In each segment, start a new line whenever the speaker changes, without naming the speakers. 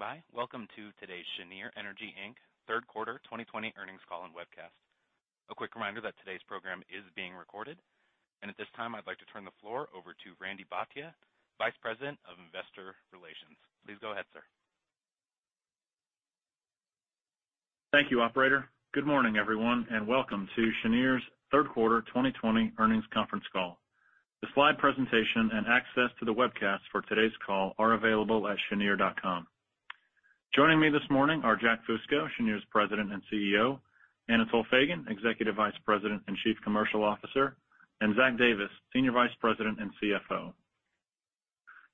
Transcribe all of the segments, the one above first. Thank you for standing by. Welcome to today's Cheniere Energy, Inc. Third Quarter 2020 earnings call and webcast. A quick reminder that today's program is being recorded. At this time, I'd like to turn the floor over to Randy Bhatia, Vice President of Investor Relations. Please go ahead, sir.
Thank you, operator. Good morning, everyone, and welcome to Cheniere's third quarter 2020 earnings conference call. The slide presentation and access to the webcast for today's call are available at cheniere.com. Joining me this morning are Jack Fusco, Cheniere's President and CEO, Anatol Feygin, Executive Vice President and Chief Commercial Officer, and Zach Davis, Senior Vice President and CFO.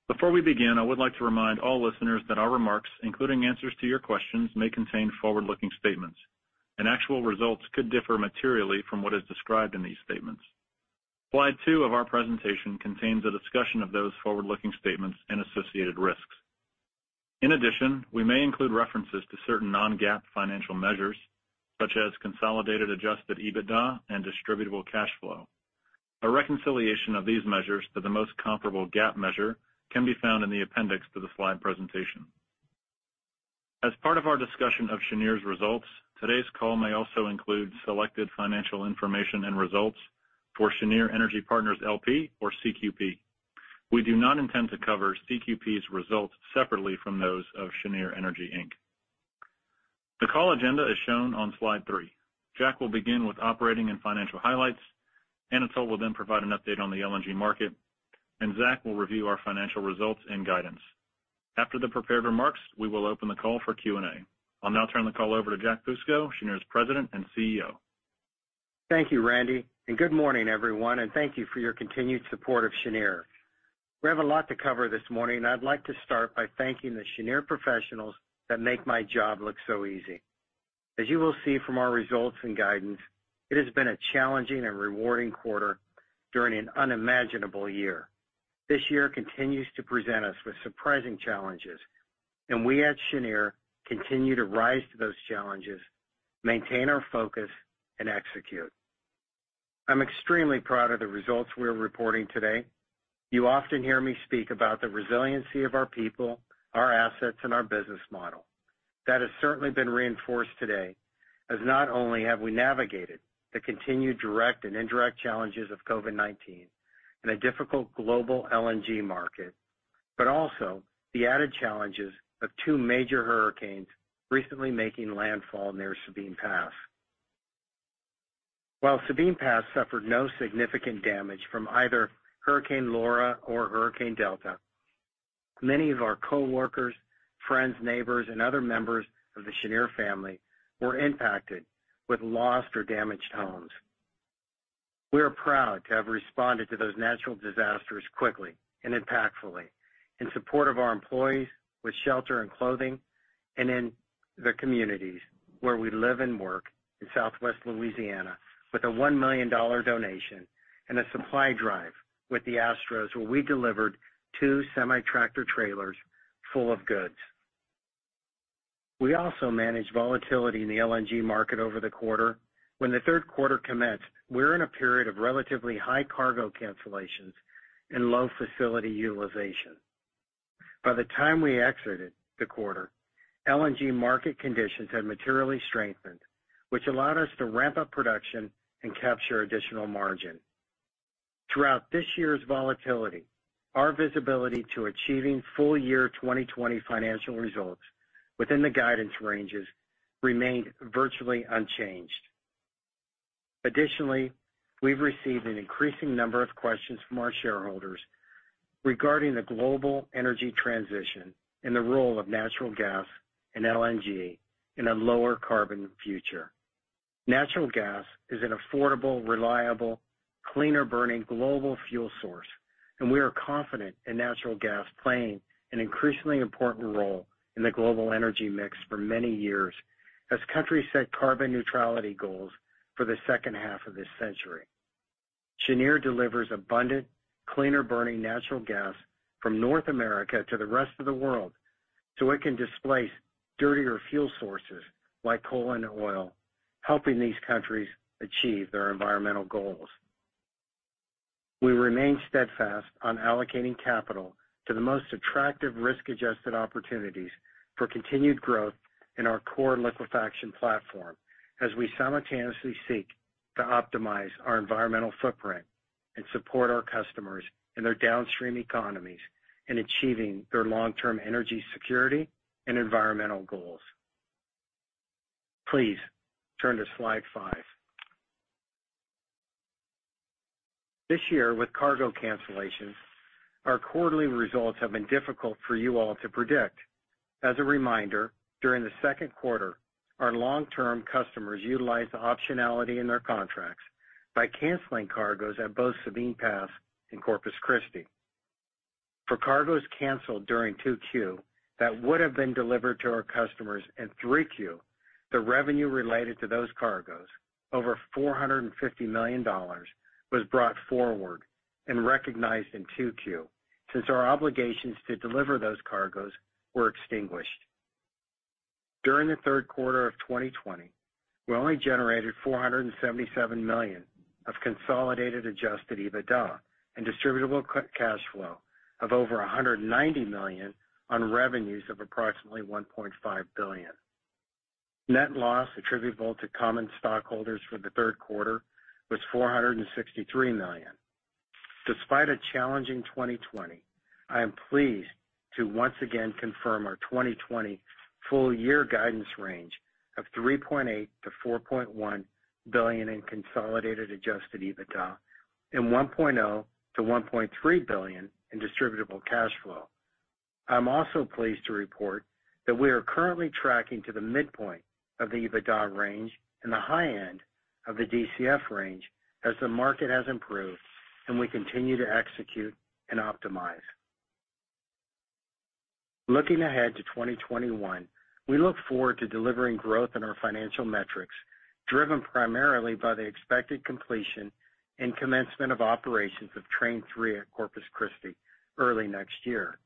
Before we begin, I would like to remind all listeners that our remarks, including answers to your questions, may contain forward-looking statements, and actual results could differ materially from what is described in these statements. Slide two of our presentation contains a discussion of those forward-looking statements and associated risks. In addition, we may include references to certain non-GAAP financial measures, such as consolidated adjusted EBITDA and distributable cash flow. A reconciliation of these measures to the most comparable GAAP measure can be found in the appendix to the slide presentation. As part of our discussion of Cheniere's results, today's call may also include selected financial information and results for Cheniere Energy Partners, L.P. or CQP. We do not intend to cover CQP's results separately from those of Cheniere Energy, Inc. The call agenda is shown on slide three. Jack will begin with operating and financial highlights. Anatol will then provide an update on the LNG market, and Zach will review our financial results and guidance. After the prepared remarks, we will open the call for Q&A. I'll now turn the call over to Jack Fusco, Cheniere's President and CEO.
Thank you, Randy, and good morning, everyone, and thank you for your continued support of Cheniere. We have a lot to cover this morning, and I'd like to start by thanking the Cheniere professionals that make my job look so easy. As you will see from our results and guidance, it has been a challenging and rewarding quarter during an unimaginable year. This year continues to present us with surprising challenges, and we at Cheniere continue to rise to those challenges, maintain our focus, and execute. I'm extremely proud of the results we're reporting today. You often hear me speak about the resiliency of our people, our assets, and our business model. That has certainly been reinforced today as not only have we navigated the continued direct and indirect challenges of COVID-19 in a difficult global LNG market, but also the added challenges of two major hurricanes recently making landfall near Sabine Pass. While Sabine Pass suffered no significant damage from either Hurricane Laura or Hurricane Delta, many of our coworkers, friends, neighbors, and other members of the Cheniere family were impacted with lost or damaged homes. We are proud to have responded to those natural disasters quickly and impactfully in support of our employees with shelter and clothing and in the communities where we live and work in Southwest Louisiana with a $1 million donation and a supply drive with the Astros, where we delivered two semi-tractor trailers full of goods. We also managed volatility in the LNG market over the quarter When the third quarter commenced, we were in a period of relatively high cargo cancellations and low facility utilization. By the time we exited the quarter, LNG market conditions had materially strengthened, which allowed us to ramp up production and capture additional margin. Throughout this year's volatility, our visibility to achieving full-year 2020 financial results within the guidance ranges remained virtually unchanged. Additionally, we've received an increasing number of questions from our shareholders regarding the global energy transition and the role of natural gas and LNG in a lower carbon future. Natural gas is an affordable, reliable, cleaner-burning global fuel source, and we are confident in natural gas playing an increasingly important role in the global energy mix for many years as countries set carbon neutrality goals for the second half of this century. Cheniere delivers abundant, cleaner-burning natural gas from North America to the rest of the world so it can displace dirtier fuel sources like coal and oil, helping these countries achieve their environmental goals. We remain steadfast on allocating capital to the most attractive risk-adjusted opportunities for continued growth in our core liquefaction platform as we simultaneously seek to optimize our environmental footprint and support our customers in their downstream economies in achieving their long-term energy security and environmental goals. Please turn to slide five. This year, with cargo cancellations, our quarterly results have been difficult for you all to predict. As a reminder, during the second quarter, our long-term customers utilized the optionality in their contracts by canceling cargoes at both Sabine Pass and Corpus Christi. For cargoes canceled during two Q that would have been delivered to our customers in three Q, the revenue related to those cargoes, over $450 million, was brought forward and recognized in two Q since our obligations to deliver those cargoes were extinguished. During the third quarter of 2020, we only generated $477 million of consolidated adjusted EBITDA and distributable cash flow of over $190 million on revenues of approximately $1.5 billion. Net loss attributable to common stockholders for the third quarter was $463 million. Despite a challenging 2020, I am pleased to once again confirm our 2020 full year guidance range of $3.8 billion-$4.1 billion in consolidated adjusted EBITDA and $1.0 billion-$1.3 billion in distributable cash flow. I'm also pleased to report that we are currently tracking to the midpoint of the EBITDA range and the high end of the DCF range as the market has improved and we continue to execute and optimize. Looking ahead to 2021, we look forward to delivering growth in our financial metrics, driven primarily by the expected completion and commencement of operations of Train 3 at Corpus Christi early next year.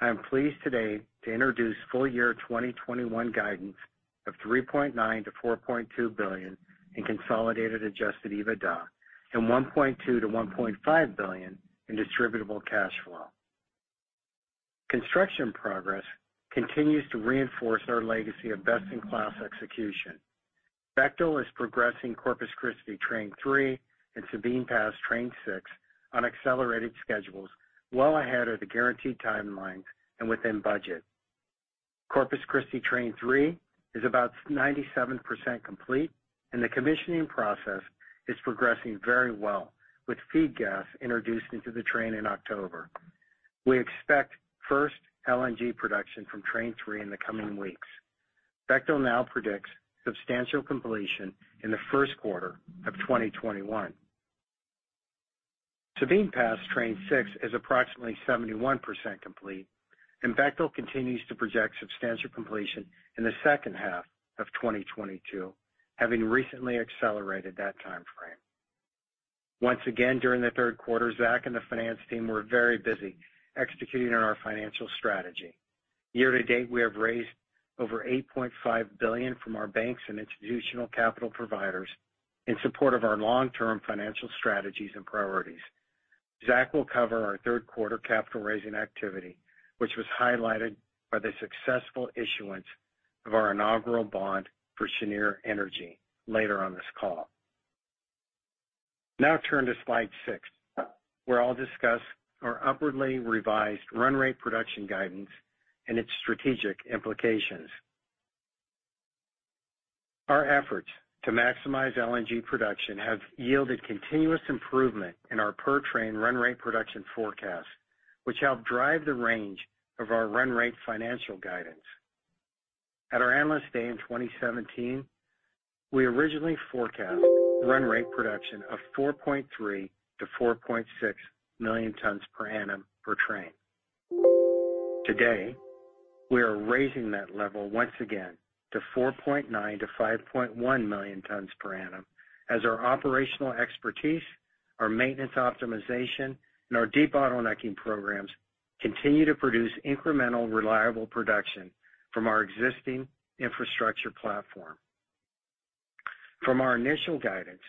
I am pleased today to introduce full year 2021 guidance of $3.9 billion-$4.2 billion in consolidated adjusted EBITDA and $1.2 billion-$1.5 billion in distributable cash flow. Construction progress continues to reinforce our legacy of best-in-class execution. Bechtel is progressing Corpus Christi Train 3 and Sabine Pass Train 6 on accelerated schedules well ahead of the guaranteed timelines and within budget. Corpus Christi Train 3 is about 97% complete and the commissioning process is progressing very well with feed gas introduced into the train in October. We expect first LNG production from Train 3 in the coming weeks. Bechtel now predicts substantial completion in the first quarter of 2021. Sabine Pass Train 6 is approximately 71% complete, and Bechtel continues to project substantial completion in the second half of 2022, having recently accelerated that timeframe. Once again, during the third quarter, Zach and the finance team were very busy executing on our financial strategy. Year to date, we have raised over $8.5 billion from our banks and institutional capital providers in support of our long-term financial strategies and priorities. Zach will cover our third quarter capital raising activity, which was highlighted by the successful issuance of our inaugural bond for Cheniere Energy later on this call. Now turn to slide six, where I'll discuss our upwardly revised run rate production guidance and its strategic implications. Our efforts to maximize LNG production have yielded continuous improvement in our per-train run rate production forecast, which help drive the range of our run rate financial guidance. At our Analyst Day in 2017, we originally forecast run rate production of 4.3 million-4.6 million tons per annum per train. Today, we are raising that level once again to 4.9 million-5.1 million tons per annum as our operational expertise, our maintenance optimization, and our debottlenecking programs continue to produce incremental reliable production from our existing infrastructure platform. From our initial guidance,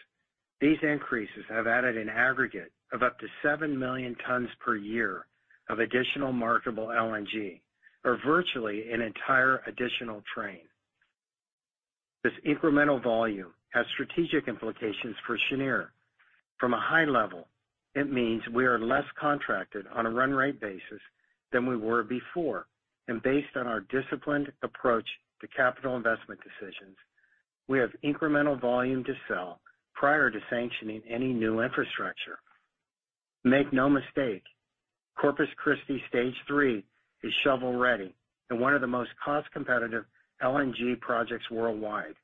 these increases have added an aggregate of up to 7 million tons per year of additional marketable LNG or virtually an entire additional train. This incremental volume has strategic implications for Cheniere. From a high level, it means we are less contracted on a run rate basis than we were before. Based on our disciplined approach to capital investment decisions, we have incremental volume to sell prior to sanctioning any new infrastructure. Make no mistake, Corpus Christi Stage 3 is shovel-ready and one of the most cost-competitive LNG projects worldwide.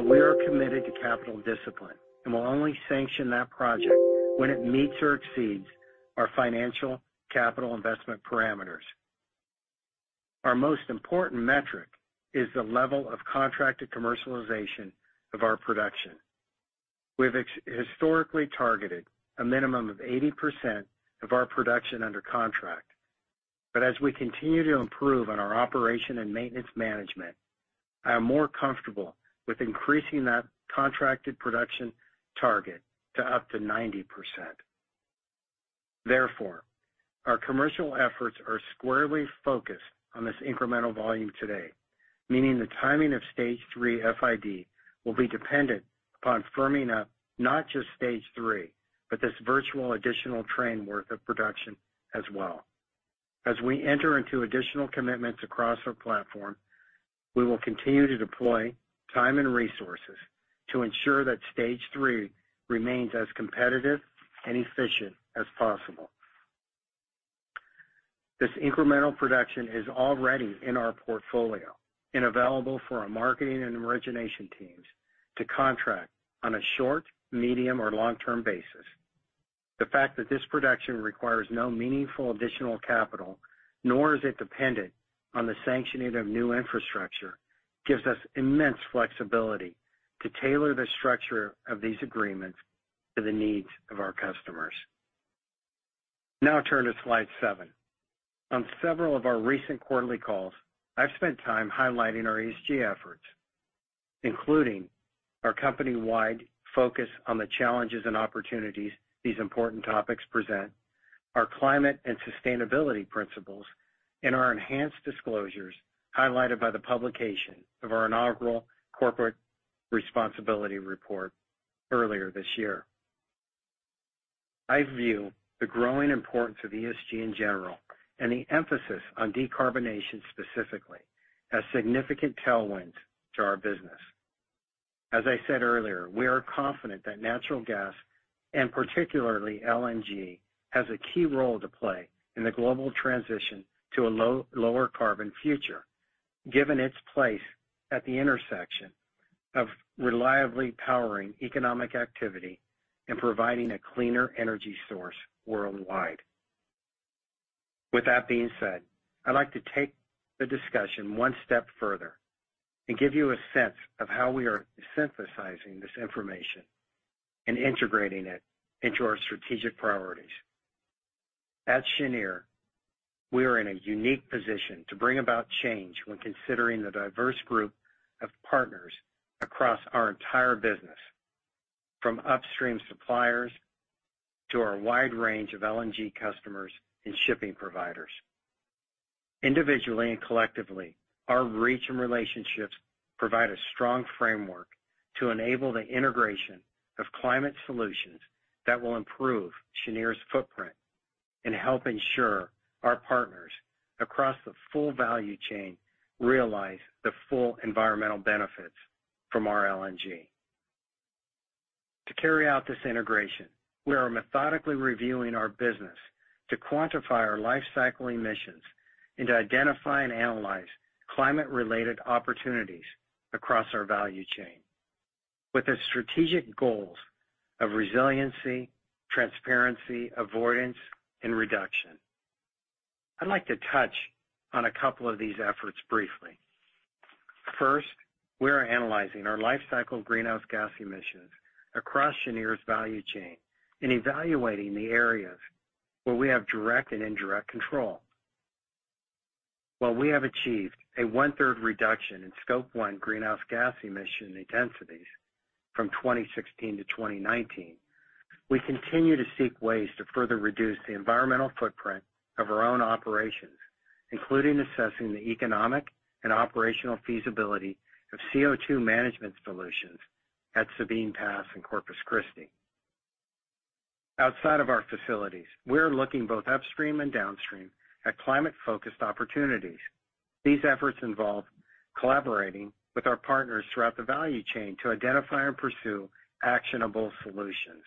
We are committed to capital discipline and will only sanction that project when it meets or exceeds our financial capital investment parameters. Our most important metric is the level of contracted commercialization of our production. We've historically targeted a minimum of 80% of our production under contract. As we continue to improve on our operation and maintenance management, I am more comfortable with increasing that contracted production target to up to 90%. Our commercial efforts are squarely focused on this incremental volume today, meaning the timing of Stage 3 FID will be dependent upon firming up not just Stage 3, but this virtual additional train worth of production as well. As we enter into additional commitments across our platform, we will continue to deploy time and resources to ensure that Stage 3 remains as competitive and efficient as possible. This incremental production is already in our portfolio and available for our marketing and origination teams to contract on a short, medium, or long-term basis. The fact that this production requires no meaningful additional capital, nor is it dependent on the sanctioning of new infrastructure, gives us immense flexibility to tailor the structure of these agreements to the needs of our customers. Now turn to slide seven. On several of our recent quarterly calls, I've spent time highlighting our ESG efforts, including our company-wide focus on the challenges and opportunities these important topics present, our climate and sustainability principles, and our enhanced disclosures highlighted by the publication of our inaugural corporate responsibility report earlier this year. I view the growing importance of ESG in general and the emphasis on decarbonation specifically as significant tailwinds to our business. As I said earlier, we are confident that natural gas, and particularly LNG, has a key role to play in the global transition to a lower carbon future, given its place at the intersection of reliably powering economic activity and providing a cleaner energy source worldwide. With that being said, I'd like to take the discussion one step further and give you a sense of how we are synthesizing this information and integrating it into our strategic priorities. At Cheniere, we are in a unique position to bring about change when considering the diverse group of partners across our entire business, from upstream suppliers to our wide range of LNG customers and shipping providers. Individually and collectively, our reach and relationships provide a strong framework to enable the integration of climate solutions that will improve Cheniere's footprint and help ensure our partners across the full value chain realize the full environmental benefits from our LNG. To carry out this integration, we are methodically reviewing our business to quantify our life cycle emissions and to identify and analyze climate-related opportunities across our value chain with the strategic goals of resiliency, transparency, avoidance, and reduction. I'd like to touch on a couple of these efforts briefly. First, we are analyzing our life cycle greenhouse gas emissions across Cheniere's value chain and evaluating the areas where we have direct and indirect control. While we have achieved a one-third reduction in Scope 1 greenhouse gas emission intensities from 2016 to 2019, we continue to seek ways to further reduce the environmental footprint of our own operations, including assessing the economic and operational feasibility of CO2 management solutions at Sabine Pass and Corpus Christi. Outside of our facilities, we're looking both upstream and downstream at climate-focused opportunities. These efforts involve collaborating with our partners throughout the value chain to identify and pursue actionable solutions.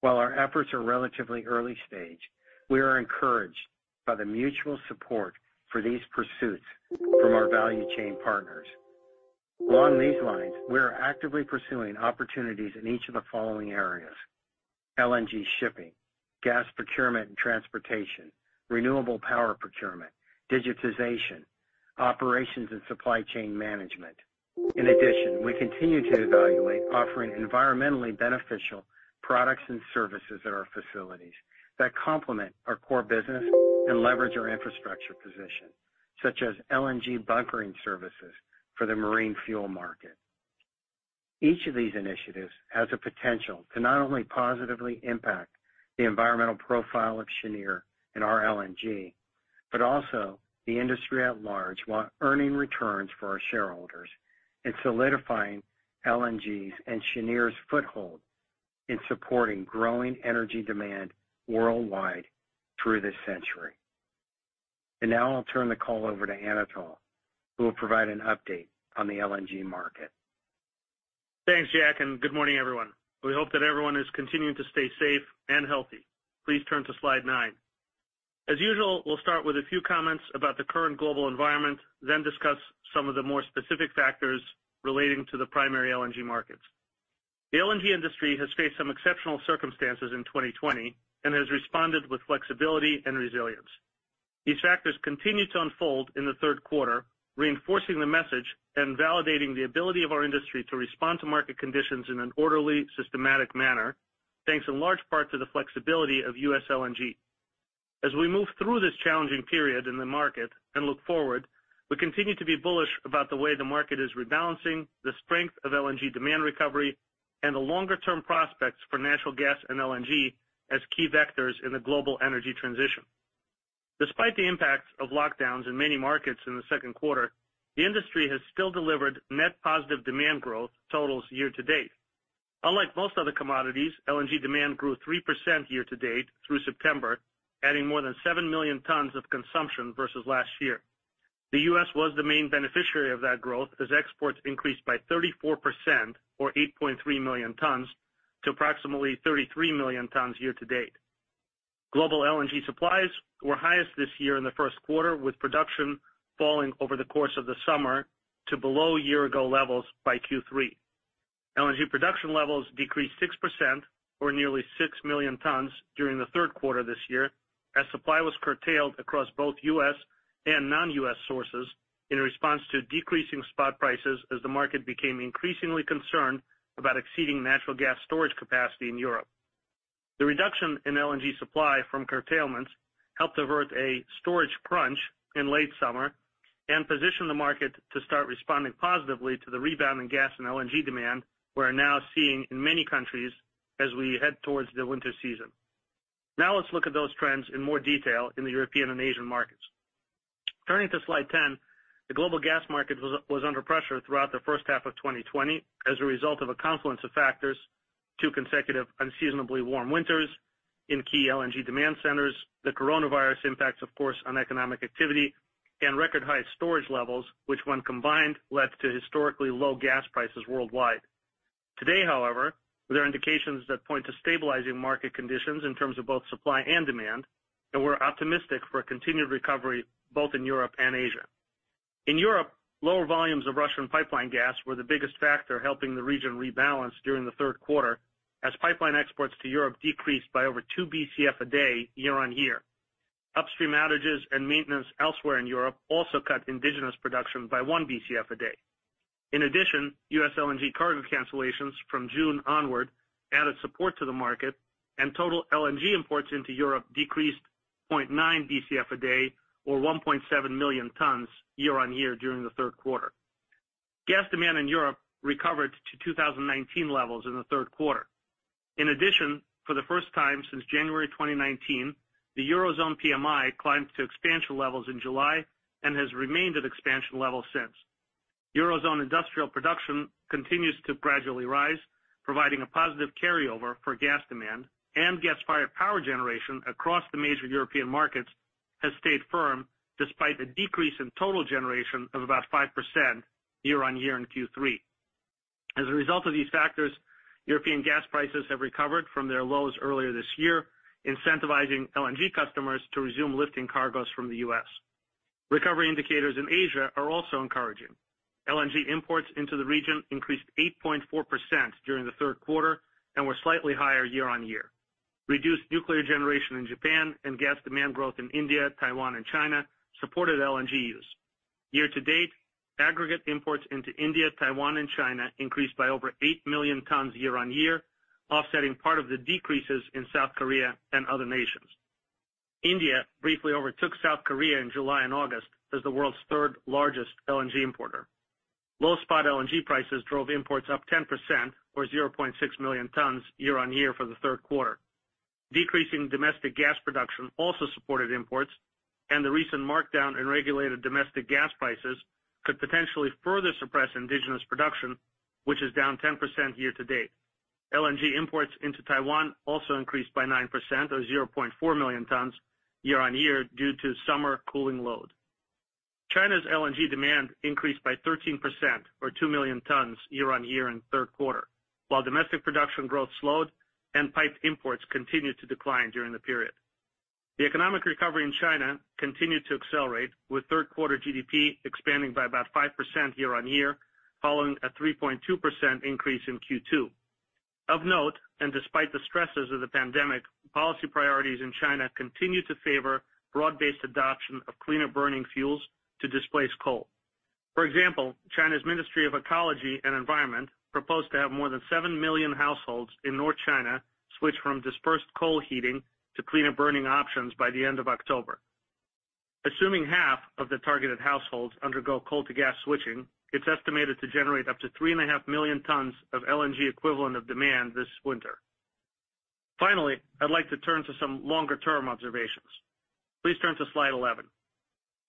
While our efforts are relatively early stage, we are encouraged by the mutual support for these pursuits from our value chain partners. Along these lines, we are actively pursuing opportunities in each of the following areas: LNG shipping, gas procurement and transportation, renewable power procurement, digitization, operations, and supply chain management. In addition, we continue to evaluate offering environmentally beneficial products and services at our facilities that complement our core business and leverage our infrastructure position, such as LNG bunkering services for the marine fuel market. Each of these initiatives has a potential to not only positively impact the environmental profile of Cheniere and our LNG, but also the industry at large, while earning returns for our shareholders and solidifying LNG's and Cheniere's foothold in supporting growing energy demand worldwide through this century. Now I'll turn the call over to Anatol, who will provide an update on the LNG market.
Thanks, Jack. Good morning, everyone. We hope that everyone is continuing to stay safe and healthy. Please turn to slide nine. As usual, we'll start with a few comments about the current global environment, then discuss some of the more specific factors relating to the primary LNG markets. The LNG industry has faced some exceptional circumstances in 2020 and has responded with flexibility and resilience. These factors continued to unfold in the third quarter, reinforcing the message and validating the ability of our industry to respond to market conditions in an orderly, systematic manner, thanks in large part to the flexibility of U.S. LNG. As we move through this challenging period in the market and look forward, we continue to be bullish about the way the market is rebalancing, the strength of LNG demand recovery, and the longer-term prospects for natural gas and LNG as key vectors in the global energy transition. Despite the impacts of lockdowns in many markets in the second quarter, the industry has still delivered net positive demand growth totals year to date. Unlike most other commodities, LNG demand grew 3% year to date through September, adding more than seven million tons of consumption versus last year. The U.S. was the main beneficiary of that growth as exports increased by 34%, or 8.3 million tons, to approximately 33 million tons year to date. Global LNG supplies were highest this year in the first quarter, with production falling over the course of the summer to below year-ago levels by Q3. LNG production levels decreased 6%, or nearly 6 million tons, during the third quarter this year, as supply was curtailed across both U.S. and non-U.S. sources in response to decreasing spot prices as the market became increasingly concerned about exceeding natural gas storage capacity in Europe. The reduction in LNG supply from curtailments helped avert a storage crunch in late summer and positioned the market to start responding positively to the rebound in gas and LNG demand we're now seeing in many countries as we head towards the winter season. Now let's look at those trends in more detail in the European and Asian markets. Turning to slide 10, the global gas market was under pressure throughout the first half of 2020 as a result of a confluence of factors, two consecutive unseasonably warm winters in key LNG demand centers, the coronavirus impacts, of course, on economic activity, and record-high storage levels, which, when combined, led to historically low gas prices worldwide. Today, however, there are indications that point to stabilizing market conditions in terms of both supply and demand, and we're optimistic for a continued recovery both in Europe and Asia. In Europe, lower volumes of Russian pipeline gas were the biggest factor helping the region rebalance during the third quarter as pipeline exports to Europe decreased by over two BCF a day year-on-year. Upstream outages and maintenance elsewhere in Europe also cut indigenous production by one BCF a day. In addition, U.S. LNG cargo cancellations from June onward added support to the market, and total LNG imports into Europe decreased 0.9 BCF a day or 1.7 million tons year-on-year during the third quarter. Gas demand in Europe recovered to 2019 levels in the third quarter. In addition, for the first time since January 2019, the Eurozone PMI climbed to expansion levels in July and has remained at expansion level since. Eurozone industrial production continues to gradually rise, providing a positive carryover for gas demand, and gas-fired power generation across the major European markets has stayed firm despite a decrease in total generation of about 5% year-on-year in Q3. As a result of these factors, European gas prices have recovered from their lows earlier this year, incentivizing LNG customers to resume lifting cargoes from the U.S. Recovery indicators in Asia are also encouraging. LNG imports into the region increased 8.4% during the third quarter and were slightly higher year-on-year. Reduced nuclear generation in Japan and gas demand growth in India, Taiwan, and China supported LNG use. Year-to-date, aggregate imports into India, Taiwan, and China increased by over 8 million tons year-on-year, offsetting part of the decreases in South Korea and other nations. India briefly overtook South Korea in July and August as the world's third-largest LNG importer. Low spot LNG prices drove imports up 10%, or 0.6 million tons year-on-year for the third quarter. Decreasing domestic gas production also supported imports, and the recent markdown in regulated domestic gas prices could potentially further suppress indigenous production, which is down 10% year-to-date. LNG imports into Taiwan also increased by 9%, or 0.4 million tons year-on-year, due to summer cooling load. China's LNG demand increased by 13%, or 2 million tons year-on-year in the third quarter, while domestic production growth slowed and pipe imports continued to decline during the period. The economic recovery in China continued to accelerate, with third-quarter GDP expanding by about 5% year-on-year, following a 3.2% increase in Q2. Of note, and despite the stresses of the pandemic, policy priorities in China continue to favor broad-based adoption of cleaner-burning fuels to displace coal. For example, China's Ministry of Ecology and Environment proposed to have more than 7 million households in North China switch from dispersed coal heating to cleaner-burning options by the end of October. Assuming half of the targeted households undergo coal to gas switching, it's estimated to generate up to 3.5 million tons of LNG equivalent of demand this winter. Finally, I'd like to turn to some longer-term observations. Please turn to slide 11.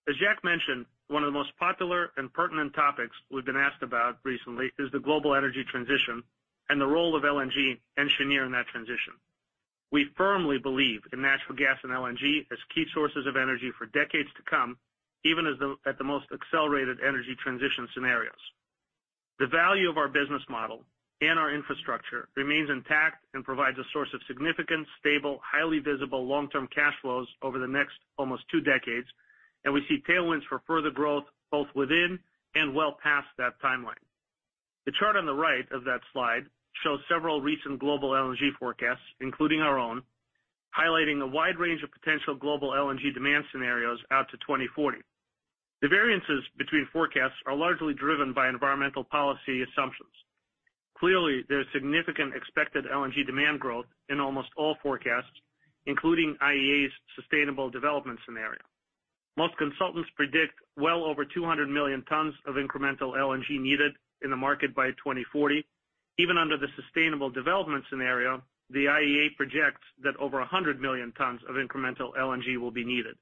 As Jack mentioned, one of the most popular and pertinent topics we've been asked about recently is the global energy transition and the role of LNG and Cheniere in that transition. We firmly believe in natural gas and LNG as key sources of energy for decades to come, even at the most accelerated energy transition scenarios. The value of our business model and our infrastructure remains intact and provides a source of significant, stable, highly visible long-term cash flows over the next almost two decades, and we see tailwinds for further growth both within and well past that timeline. The chart on the right of that slide shows several recent global LNG forecasts, including our own, highlighting a wide range of potential global LNG demand scenarios out to 2040. The variances between forecasts are largely driven by environmental policy assumptions. Clearly, there's significant expected LNG demand growth in almost all forecasts, including IEA's Sustainable Development Scenario. Most consultants predict well over 200 million tons of incremental LNG needed in the market by 2040. Even under the Sustainable Development Scenario, the IEA projects that over 100 million tons of incremental LNG will be needed.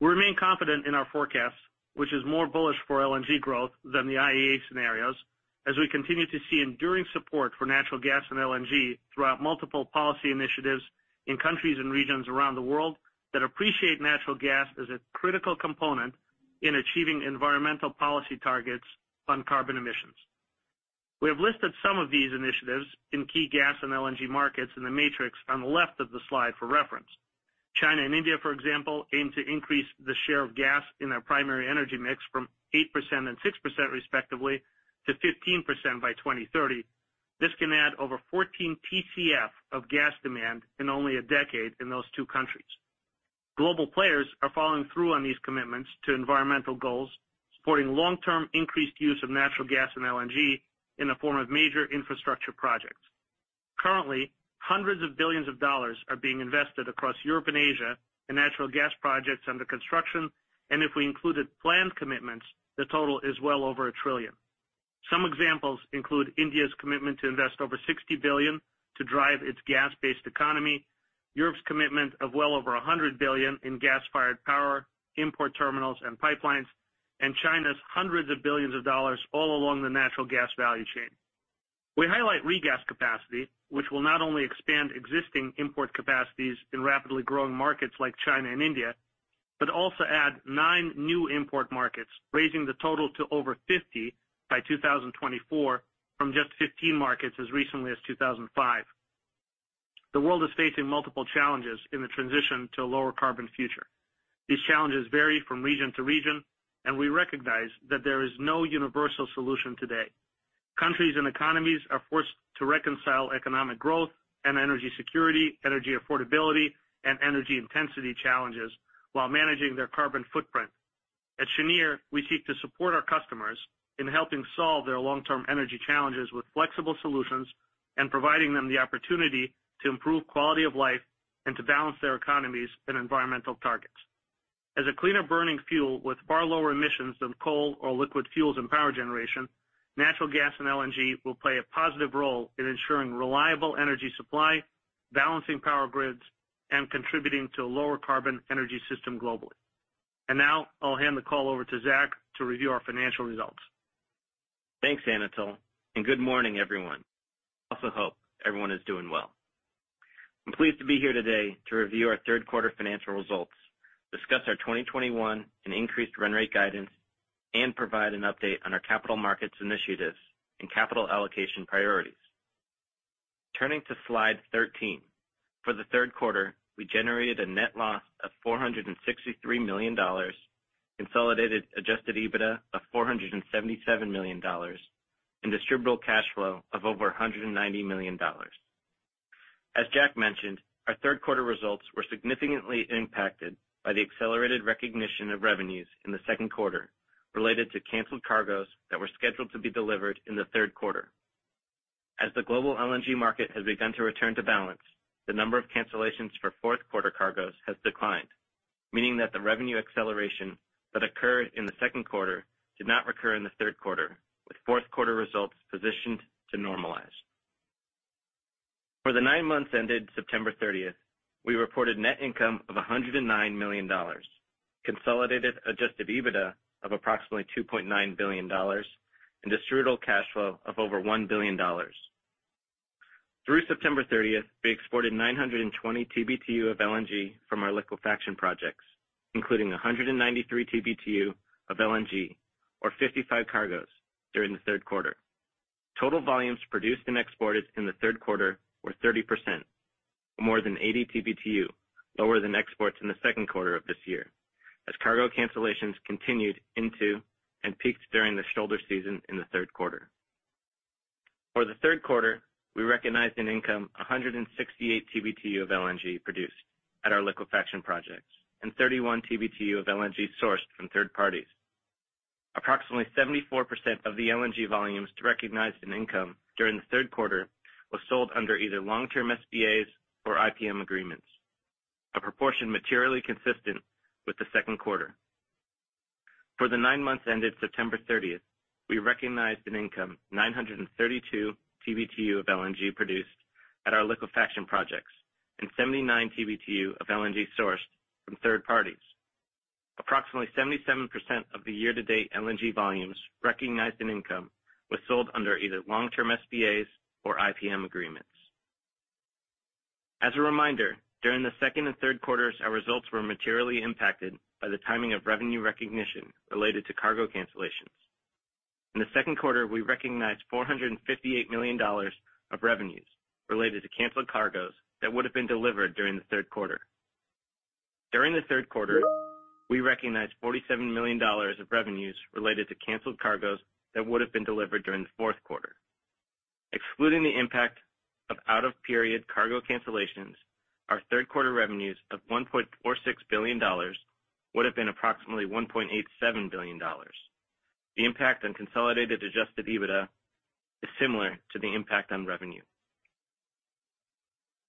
We remain confident in our forecast, which is more bullish for LNG growth than the IEA scenarios, as we continue to see enduring support for natural gas and LNG throughout multiple policy initiatives in countries and regions around the world that appreciate natural gas as a critical component in achieving environmental policy targets on carbon emissions. We have listed some of these initiatives in key gas and LNG markets in the matrix on the left of the slide for reference. China and India, for example, aim to increase the share of gas in their primary energy mix from 8% and 6%, respectively, to 15% by 2030. This can add over 14 TCF of gas demand in only a decade in those two countries. Global players are following through on these commitments to environmental goals, supporting long-term increased use of natural gas and LNG in the form of major infrastructure projects. Currently, hundreds of billions of dollars are being invested across Europe and Asia in natural gas projects under construction, and if we included planned commitments, the total is well over a trillion. Some examples include India's commitment to invest over $60 billion to drive its gas-based economy, Europe's commitment of well over $100 billion in gas-fired power, import terminals, and pipelines, and China's hundreds of billions of dollars all along the natural gas value chain. We highlight regas capacity, which will not only expand existing import capacities in rapidly growing markets like China and India, but also add nine new import markets, raising the total to over 50 by 2024 from just 15 markets as recently as 2005. The world is facing multiple challenges in the transition to a lower-carbon future. These challenges vary from region to region, and we recognize that there is no universal solution today. Countries and economies are forced to reconcile economic growth and energy security, energy affordability, and energy intensity challenges while managing their carbon footprint. At Cheniere, we seek to support our customers in helping solve their long-term energy challenges with flexible solutions and providing them the opportunity to improve quality of life and to balance their economies and environmental targets. As a cleaner-burning fuel with far lower emissions than coal or liquid fuels in power generation, natural gas and LNG will play a positive role in ensuring reliable energy supply, balancing power grids, and contributing to a lower-carbon energy system globally. Now I'll hand the call over to Zach to review our financial results.
Thanks, Anatol. Good morning, everyone. I also hope everyone is doing well. I'm pleased to be here today to review our third-quarter financial results, discuss our 2021 and increased run rate guidance, and provide an update on our capital markets initiatives and capital allocation priorities. Turning to slide 13. For the third quarter, we generated a net loss of $463 million, consolidated adjusted EBITDA of $477 million, and distributable cash flow of over $190 million. As Jack mentioned, our third-quarter results were significantly impacted by the accelerated recognition of revenues in the second quarter related to canceled cargoes that were scheduled to be delivered in the third quarter. As the global LNG market has begun to return to balance, the number of cancellations for fourth-quarter cargoes has declined, meaning that the revenue acceleration that occurred in the second quarter did not recur in the third quarter, with fourth-quarter results positioned to normalize. For the nine months ended September 30th, we reported net income of $109 million, consolidated adjusted EBITDA of approximately $2.9 billion, and distributable cash flow of over $1 billion. Through September 30th, we exported 920 TBtu of LNG from our liquefaction projects, including 193 TBtu of LNG, or 55 cargoes, during the third quarter. Total volumes produced and exported in the third quarter were 30%, or more than 80 TBtu lower than exports in the second quarter of this year, as cargo cancellations continued into and peaked during the shoulder season in the third quarter. For the third quarter, we recognized an income 168 TBtu of LNG produced at our liquefaction projects and 31 TBtu of LNG sourced from third parties. Approximately 74% of the LNG volumes recognized in income during the third quarter was sold under either long-term SPAs or IPM agreements, a proportion materially consistent with the second quarter. For the nine months ended September 30th, we recognized an income 932 TBtu of LNG produced at our liquefaction projects and 79 TBtu of LNG sourced from third parties. Approximately 77% of the year-to-date LNG volumes recognized in income was sold under either long-term SPAs or IPM agreements. As a reminder, during the second and third quarters, our results were materially impacted by the timing of revenue recognition related to cargo cancellations. In the second quarter, we recognized $458 million of revenues related to canceled cargoes that would have been delivered during the third quarter. During the third quarter, we recognized $47 million of revenues related to canceled cargoes that would have been delivered during the fourth quarter. Excluding the impact of out-of-period cargo cancellations, our third-quarter revenues of $1.46 billion would have been approximately $1.87 billion. The impact on consolidated adjusted EBITDA is similar to the impact on revenue.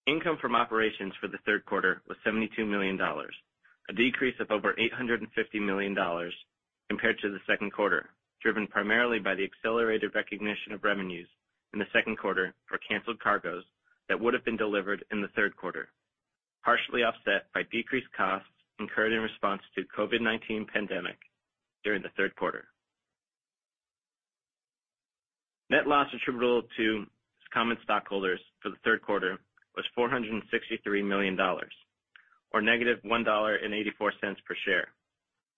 Income from operations for the third quarter was $72 million, a decrease of over $850 million compared to the second quarter, driven primarily by the accelerated recognition of revenues in the second quarter for canceled cargoes that would have been delivered in the third quarter, partially offset by decreased costs incurred in response to COVID-19 pandemic during the third quarter. Net loss attributable to common stockholders for the third quarter was $463 million, or -$1.84 per share,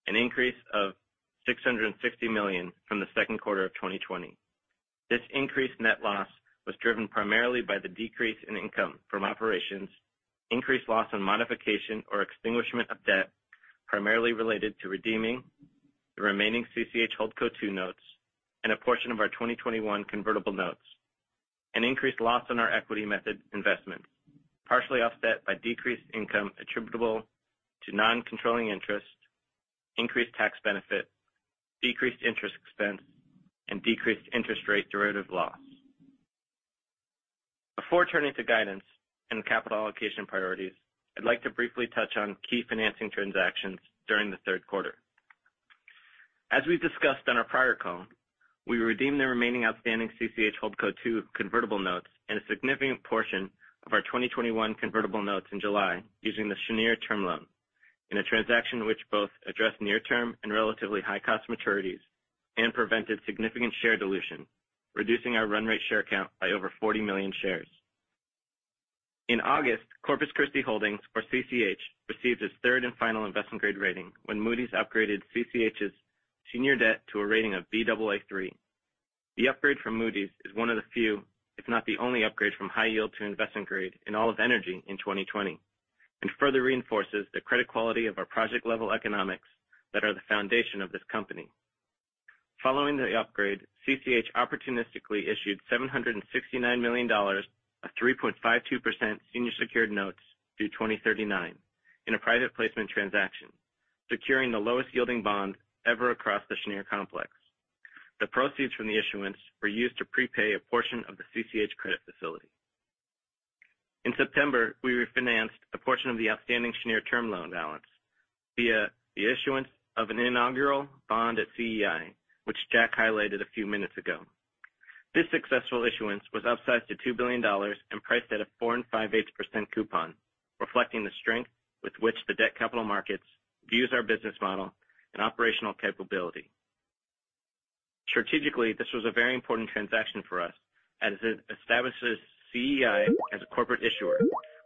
an increase of $660 million from the second quarter of 2020. This increased net loss was driven primarily by the decrease in income from operations, increased loss on modification or extinguishment of debt, primarily related to redeeming the remaining CCH HoldCo II notes and a portion of our 2021 convertible notes. An increased loss on our equity method investments, partially offset by decreased income attributable to non-controlling interest, increased tax benefit, decreased interest expense, and decreased interest rate derivative loss. Before turning to guidance and capital allocation priorities, I'd like to briefly touch on key financing transactions during the third quarter. As we discussed on our prior call, we redeemed the remaining outstanding CCH HoldCo II convertible notes and a significant portion of our 2021 convertible notes in July using the Cheniere Term Loan in a transaction which both addressed near-term and relatively high-cost maturities and prevented significant share dilution, reducing our run rate share count by over 40 million shares. In August, Corpus Christi Holdings, or CCH, received its third and final investment-grade rating when Moody's upgraded CCH's senior debt to a rating of Baa3. The upgrade from Moody's is one of the few, if not the only, upgrade from high yield to investment grade in all of energy in 2020 and further reinforces the credit quality of our project-level economics that are the foundation of this company. Following the upgrade, CCH opportunistically issued $769 million of 3.52% senior secured notes due 2039 in a private placement transaction, securing the lowest yielding bond ever across the Cheniere complex. The proceeds from the issuance were used to prepay a portion of the CCH credit facility. In September, we refinanced a portion of the outstanding Cheniere term loan balance via the issuance of an inaugural bond at CEI, which Jack highlighted a few minutes ago. This successful issuance was upsized to $2 billion and priced at a 4.875% coupon, reflecting the strength with which the debt capital markets views our business model and operational capability. Strategically, this was a very important transaction for us as it establishes CEI as a corporate issuer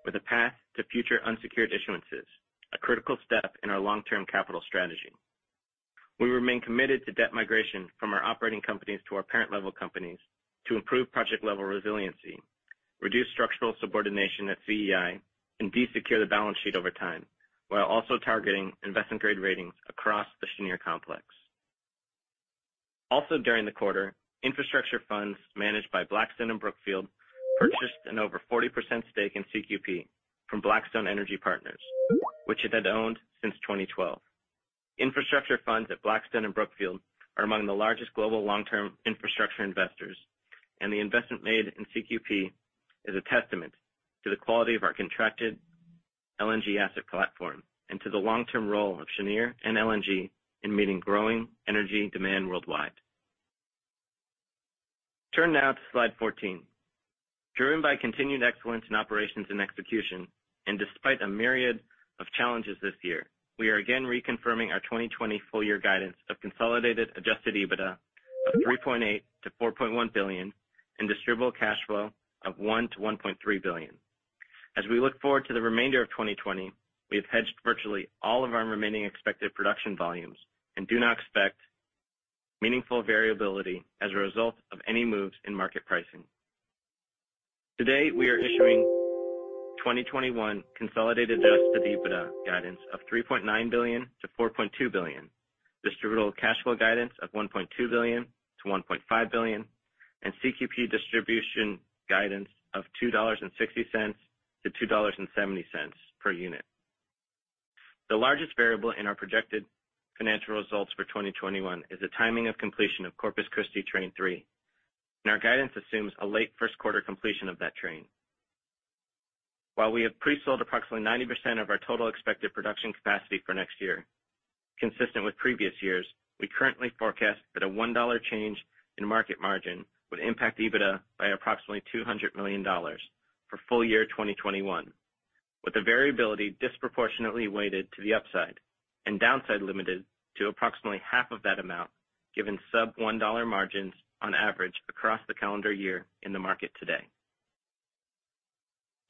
with a path to future unsecured issuances, a critical step in our long-term capital strategy. We remain committed to debt migration from our operating companies to our parent-level companies to improve project-level resiliency, reduce structural subordination at CEI, and de-secure the balance sheet over time, while also targeting investment-grade ratings across the Cheniere complex. Also, during the quarter, infrastructure funds managed by Blackstone and Brookfield purchased an over 40% stake in CQP from Blackstone Energy Partners, which it had owned since 2012. The investment made in CQP is a testament to the quality of our contracted LNG asset platform and to the long-term role of Cheniere and LNG in meeting growing energy demand worldwide. Turn now to slide 14. Driven by continued excellence in operations and execution, and despite a myriad of challenges this year, we are again reconfirming our 2020 full-year guidance of consolidated adjusted EBITDA of $3.8 billion-$4.1 billion and distributable cash flow of $1 billion-$1.3 billion. As we look forward to the remainder of 2020, we have hedged virtually all of our remaining expected production volumes and do not expect meaningful variability as a result of any moves in market pricing. Today, we are issuing 2021 consolidated adjusted EBITDA guidance of $3.9 billion-$4.2 billion, distributable cash flow guidance of $1.2 billion-$1.5 billion, and CQP distribution guidance of $2.60-$2.70 per unit. The largest variable in our projected financial results for 2021 is the timing of completion of Corpus Christi Train 3, and our guidance assumes a late first quarter completion of that train. While we have pre-sold approximately 90% of our total expected production capacity for next year, consistent with previous years, we currently forecast that a $1 change in market margin would impact EBITDA by approximately $200 million for full year 2021, with the variability disproportionately weighted to the upside and downside limited to approximately half of that amount, given sub $1 margins on average across the calendar year in the market today.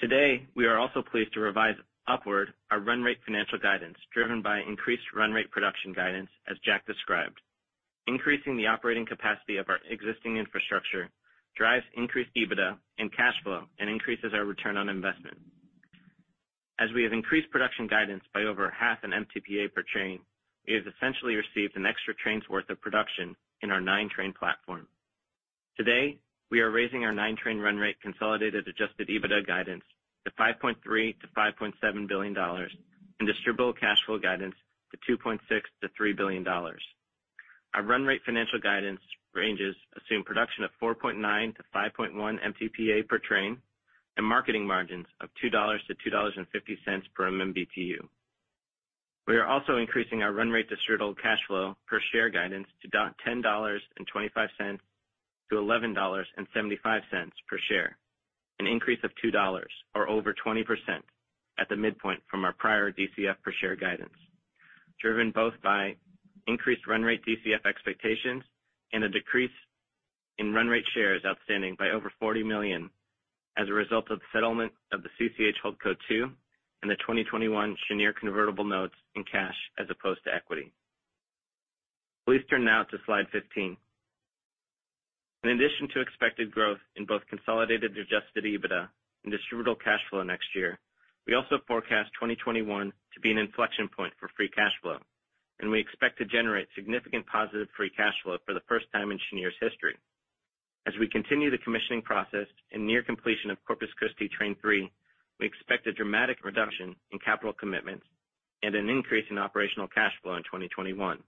Today, we are also pleased to revise upward our run rate financial guidance, driven by increased run rate production guidance as Jack described. Increasing the operating capacity of our existing infrastructure drives increased EBITDA and cash flow and increases our return on investment. As we have increased production guidance by over half an MTPA per train, we have essentially received an extra train's worth of production in our nine-train platform. Today, we are raising our 9-train run rate consolidated adjusted EBITDA guidance to $5.3 billion-$5.7 billion and distributable cash flow guidance to $2.6 billion-$3 billion. Our run rate financial guidance ranges assume production of 4.9-5.1 MTPA per train and marketing margins of $2-$2.50 per MMBtu. We are also increasing our run rate distributable cash flow per share guidance to $10.25-$11.75 per share, an increase of $2, or over 20%, at the midpoint from our prior DCF per share guidance, driven both by increased run rate DCF expectations and a decrease in run rate shares outstanding by over 40 million as a result of the settlement of the CCH HoldCo II and the 2021 Cheniere convertible notes in cash as opposed to equity. Please turn now to slide 15. In addition to expected growth in both consolidated adjusted EBITDA and distributable cash flow next year, we also forecast 2021 to be an inflection point for free cash flow, and we expect to generate significant positive free cash flow for the first time in Cheniere's history. As we continue the commissioning process and near completion of Corpus Christi Train 3, we expect a dramatic reduction in capital commitments and an increase in operational cash flow in 2021,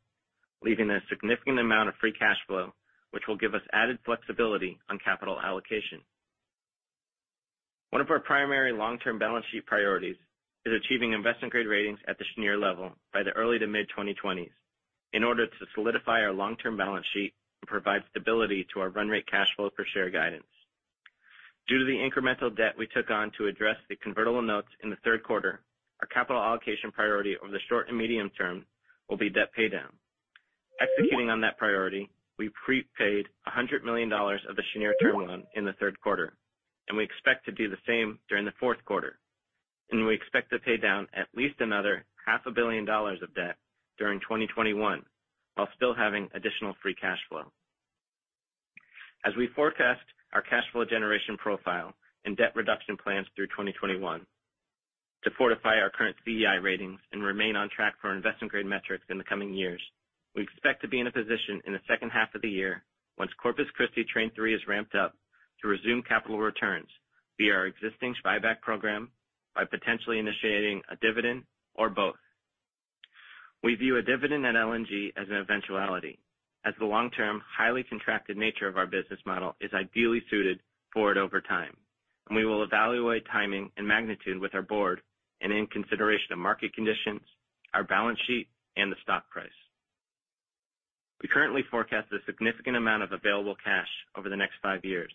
leaving a significant amount of free cash flow, which will give us added flexibility on capital allocation. One of our primary long-term balance sheet priorities is achieving investment-grade ratings at the Cheniere level by the early to mid-2020s in order to solidify our long-term balance sheet and provide stability to our run rate cash flow per share guidance. Due to the incremental debt we took on to address the convertible notes in the third quarter, our capital allocation priority over the short and medium term will be debt paydown. Executing on that priority, we prepaid $100 million of the Cheniere term loan in the third quarter, and we expect to do the same during the fourth quarter. We expect to pay down at least another half a billion dollars of debt during 2021, while still having additional free cash flow. As we forecast our cash flow generation profile and debt reduction plans through 2021 to fortify our current CEI ratings and remain on track for our investment-grade metrics in the coming years, we expect to be in a position in the second half of the year once Corpus Christi Train 3 is ramped up to resume capital returns via our existing buyback program by potentially initiating a dividend or both. We view a dividend at LNG as an eventuality, as the long-term, highly contracted nature of our business model is ideally suited for it over time, and we will evaluate timing and magnitude with our board and in consideration of market conditions, our balance sheet, and the stock price. We currently forecast a significant amount of available cash over the next five years,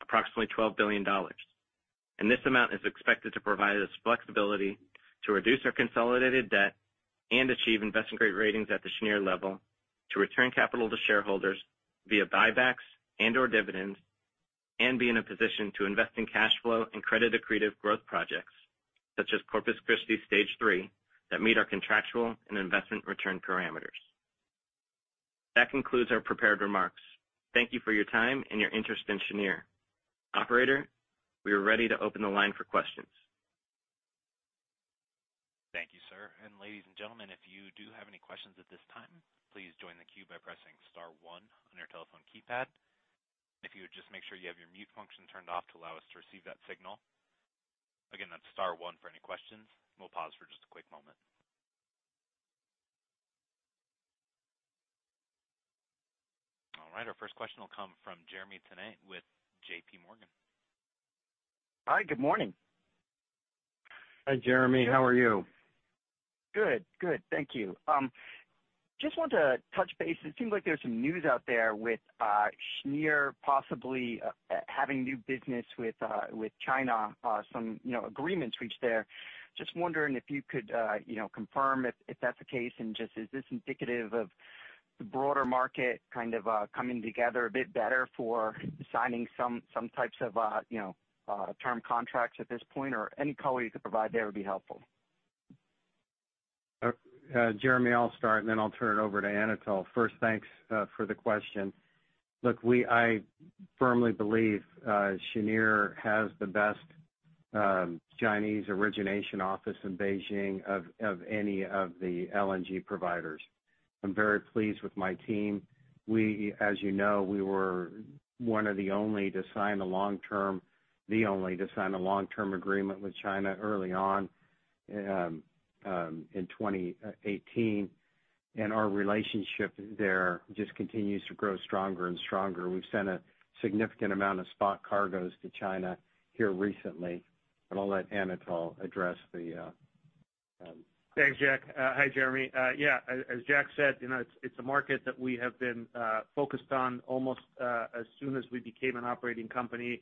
approximately $12 billion, and this amount is expected to provide us flexibility to reduce our consolidated debt and achieve investment-grade ratings at the Cheniere level to return capital to shareholders via buybacks and/or dividends, and be in a position to invest in cash flow and credit-accretive growth projects, such as Corpus Christi Stage 3, that meet our contractual and investment return parameters. That concludes our prepared remarks. Thank you for your time and your interest in Cheniere. Operator, we are ready to open the line for questions.
Thank you, sir. Ladies and gentlemen, if you do have any questions at this time, please join the queue by pressing star one on your telephone keypad. If you would just make sure you have your mute function turned off to allow us to receive that signal. Again, that's star one for any questions. We'll pause for just a quick moment. All right, our first question will come from Jeremy Tonet with JPMorgan.
Hi, good morning.
Hi, Jeremy. How are you?
Good. Thank you. Just want to touch base. It seems like there's some news out there with Cheniere possibly having new business with China, some agreements reached there. Just wondering if you could confirm if that's the case, and just is this indicative of the broader market kind of coming together a bit better for signing some types of term contracts at this point, or any color you could provide there would be helpful.
Jeremy, I'll start, and then I'll turn it over to Anatol. First, thanks for the question. Look, I firmly believe Cheniere has the best Chinese origination office in Beijing of any of the LNG providers. I'm very pleased with my team. As you know, we were one of the only to sign a long-term agreement with China early on in 2018. Our relationship there just continues to grow stronger and stronger. We've sent a significant amount of spot cargoes to China here recently. I'll let Anatol address.
Thanks, Jack. Hi, Jeremy. Yeah, as Jack said, it's a market that we have been focused on almost as soon as we became an operating company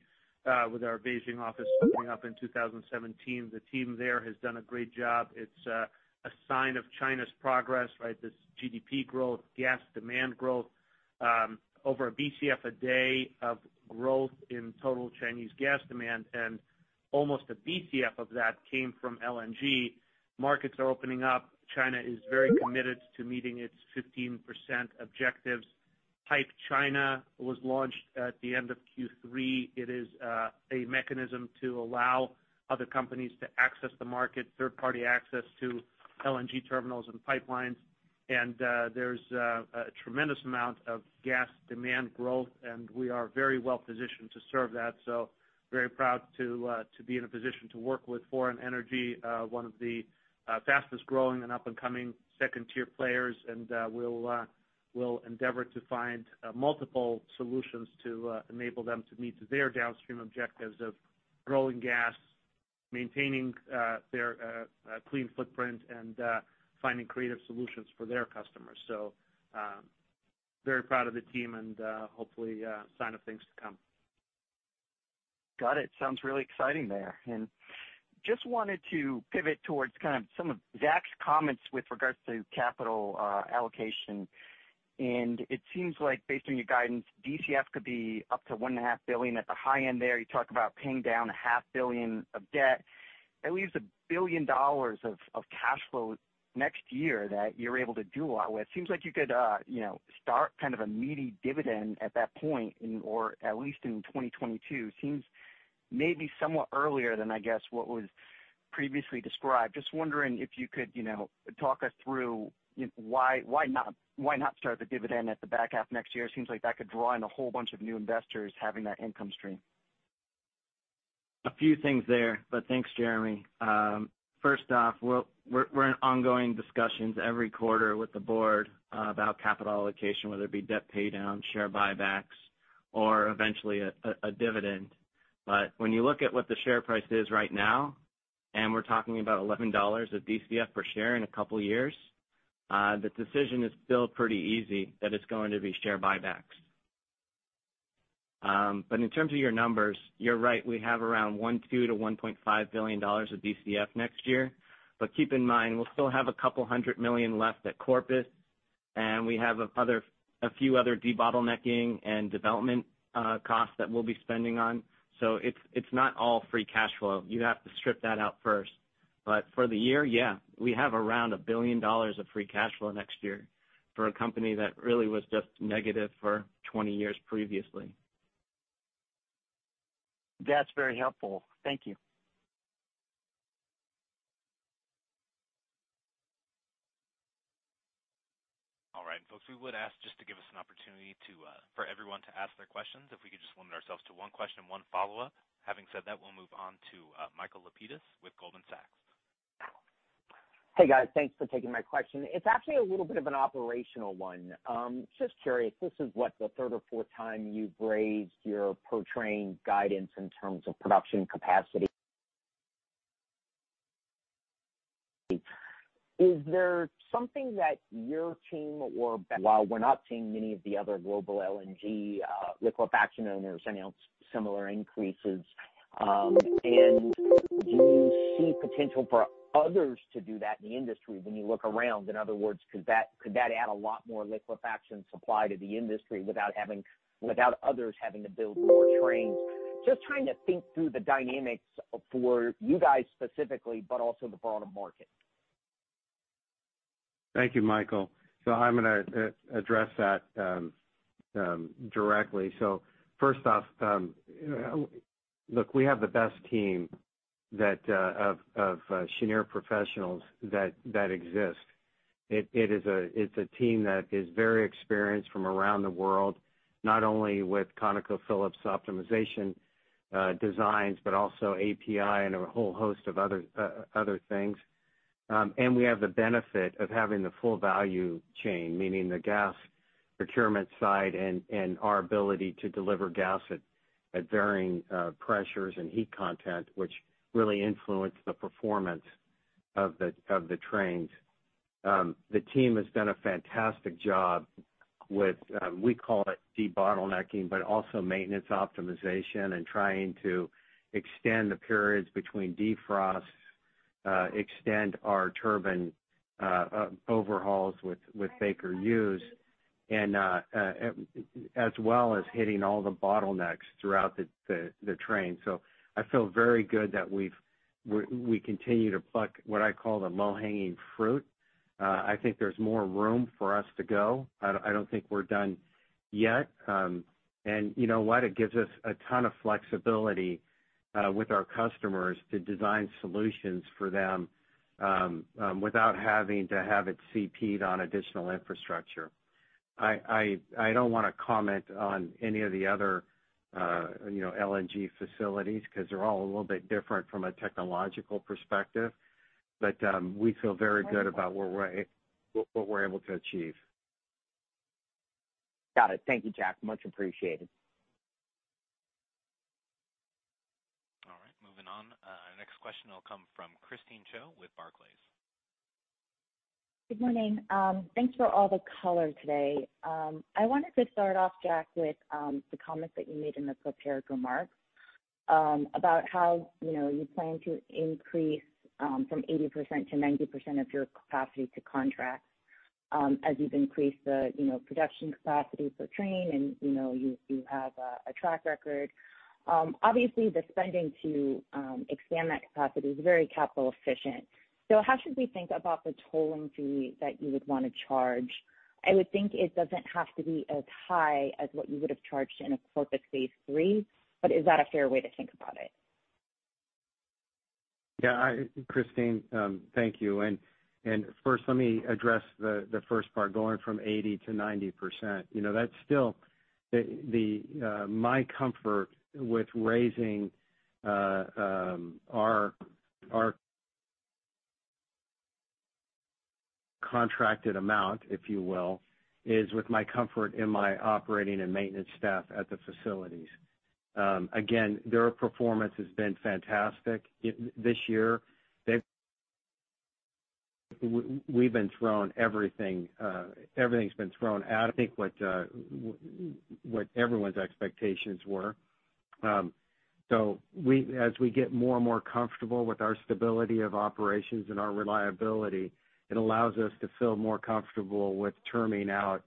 with our Beijing office opening up in 2017. The team there has done a great job. It's a sign of China's progress, right? This GDP growth, gas demand growth over a BCF a day of growth in total Chinese gas demand, and almost a BCF of that came from LNG. Markets are opening up. China is very committed to meeting its 15% objectives. PipeChina was launched at the end of Q3. It is a mechanism to allow other companies to access the market, third-party access to LNG terminals and pipelines. There's a tremendous amount of gas demand growth, and we are very well-positioned to serve that. Very proud to be in a position to work with Foran Energy, one of the fastest-growing and up-and-coming second-tier players. We'll endeavor to find multiple solutions to enable them to meet their downstream objectives of growing gas, maintaining their clean footprint, and finding creative solutions for their customers. Very proud of the team, and hopefully a sign of things to come.
Got it. Sounds really exciting there. Just wanted to pivot towards some of Jack's comments with regards to capital allocation. It seems like based on your guidance, DCF could be up to $1.5 billion at the high end there. You talk about paying down $0.5 billion of debt. That leaves $1 billion of cash flow next year that you're able to do a lot with. Seems like you could start a meaty dividend at that point or at least in 2022. Maybe somewhat earlier than, I guess, what was previously described. Just wondering if you could talk us through why not start the dividend at the back half of next year? It seems like that could draw in a whole bunch of new investors having that income stream.
A few things there. Thanks, Jeremy. First off, we're in ongoing discussions every quarter with the board about capital allocation, whether it be debt pay down, share buybacks, or eventually a dividend. When you look at what the share price is right now, and we're talking about $11 of DCF per share in a couple of years, the decision is still pretty easy that it's going to be share buybacks. In terms of your numbers, you're right, we have around $1.2 billion-$1.5 billion of DCF next year. Keep in mind, we'll still have $200 million left at Corpus, and we have a few other debottlenecking and development costs that we'll be spending on. It's not all free cash flow. You have to strip that out first. For the year, yeah, we have around $1 billion of free cash flow next year for a company that really was just negative for 20 years previously.
That's very helpful. Thank you.
Folks, we would ask just to give us an opportunity for everyone to ask their questions. If we could just limit ourselves to one question, one follow-up. Having said that, we'll move on to Michael Lapides with Goldman Sachs.
Hey, guys. Thanks for taking my question. It's actually a little bit of an operational one. Just curious, this is what, the third or fourth time you've raised your per train guidance in terms of production capacity? Is there something that your team, while we're not seeing many of the other global LNG liquefaction owners announce similar increases? Do you see potential for others to do that in the industry when you look around? In other words, could that add a lot more liquefaction supply to the industry without others having to build more trains? Just trying to think through the dynamics for you guys specifically, but also the broader market.
Thank you, Michael. I'm going to address that directly. First off, look, we have the best team of Cheniere professionals that exist. It's a team that is very experienced from around the world, not only with ConocoPhillips optimization designs, but also API and a whole host of other things. We have the benefit of having the full value chain, meaning the gas procurement side and our ability to deliver gas at varying pressures and heat content, which really influence the performance of the trains. The team has done a fantastic job with, we call it debottlenecking, but also maintenance optimization and trying to extend the periods between defrosts, extend our turbine overhauls with Baker Hughes, as well as hitting all the bottlenecks throughout the train. I feel very good that we continue to pluck what I call the low-hanging fruit. I think there's more room for us to go. I don't think we're done yet. You know what? It gives us a ton of flexibility with our customers to design solutions for them without having to have it CP'd on additional infrastructure. I don't want to comment on any of the other LNG facilities because they're all a little bit different from a technological perspective. We feel very good about what we're able to achieve.
Got it. Thank you, Jack. Much appreciated.
All right. Moving on. Our next question will come from Christine Cho with Barclays.
Good morning. Thanks for all the color today. I wanted to start off, Jack, with the comments that you made in the prepared remarks about how you plan to increase from 80% to 90% of your capacity to contracts as you've increased the production capacity for train, and you have a track record. Obviously, the spending to expand that capacity is very capital efficient. How should we think about the tolling fee that you would want to charge? I would think it doesn't have to be as high as what you would have charged in a Corpus Christi Stage 3, is that a fair way to think about it?
Yeah. Christine, thank you. First let me address the first part, going from 80% to 90%. My comfort with raising our contracted amount, if you will, is with my comfort in my operating and maintenance staff at the facilities. Again, their performance has been fantastic. This year, everything's been thrown out, I think what everyone's expectations were. As we get more and more comfortable with our stability of operations and our reliability, it allows us to feel more comfortable with terming out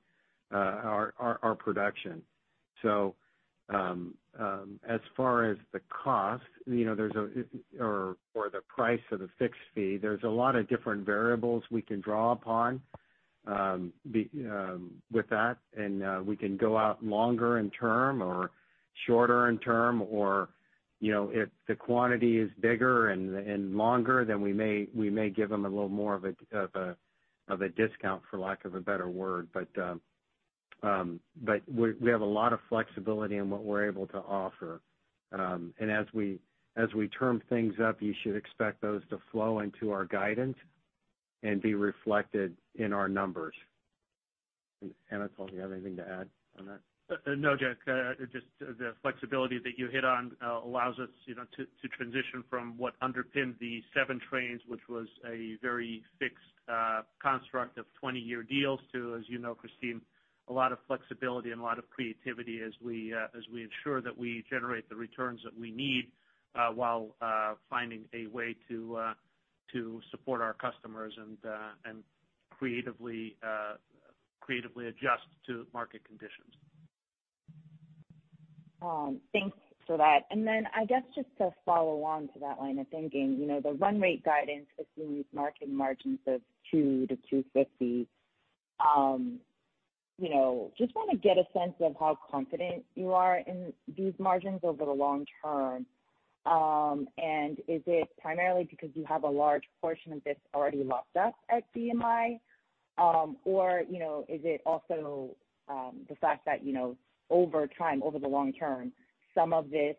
our production. As far as the cost or the price of the fixed fee, there's a lot of different variables we can draw upon with that, and we can go out longer in term or shorter in term, or if the quantity is bigger and longer, then we may give them a little more of a discount, for lack of a better word. We have a lot of flexibility in what we're able to offer. As we term things up, you should expect those to flow into our guidance and be reflected in our numbers. Anatol, do you have anything to add on that?
No, Jack. Just the flexibility that you hit on allows us to transition from what underpinned the seven trains, which was a very fixed construct of 20-year deals to, as you know, Christine, a lot of flexibility and a lot of creativity as we ensure that we generate the returns that we need, while finding a way to support our customers and creatively adjust to market conditions.
Thanks for that. I guess, just to follow on to that line of thinking. The run rate guidance assumes marking margins of $2.00-$2.50. Just want to get a sense of how confident you are in these margins over the long term. Is it primarily because you have a large portion of this already locked up at BMI? Is it also the fact that over time, over the long term, some of this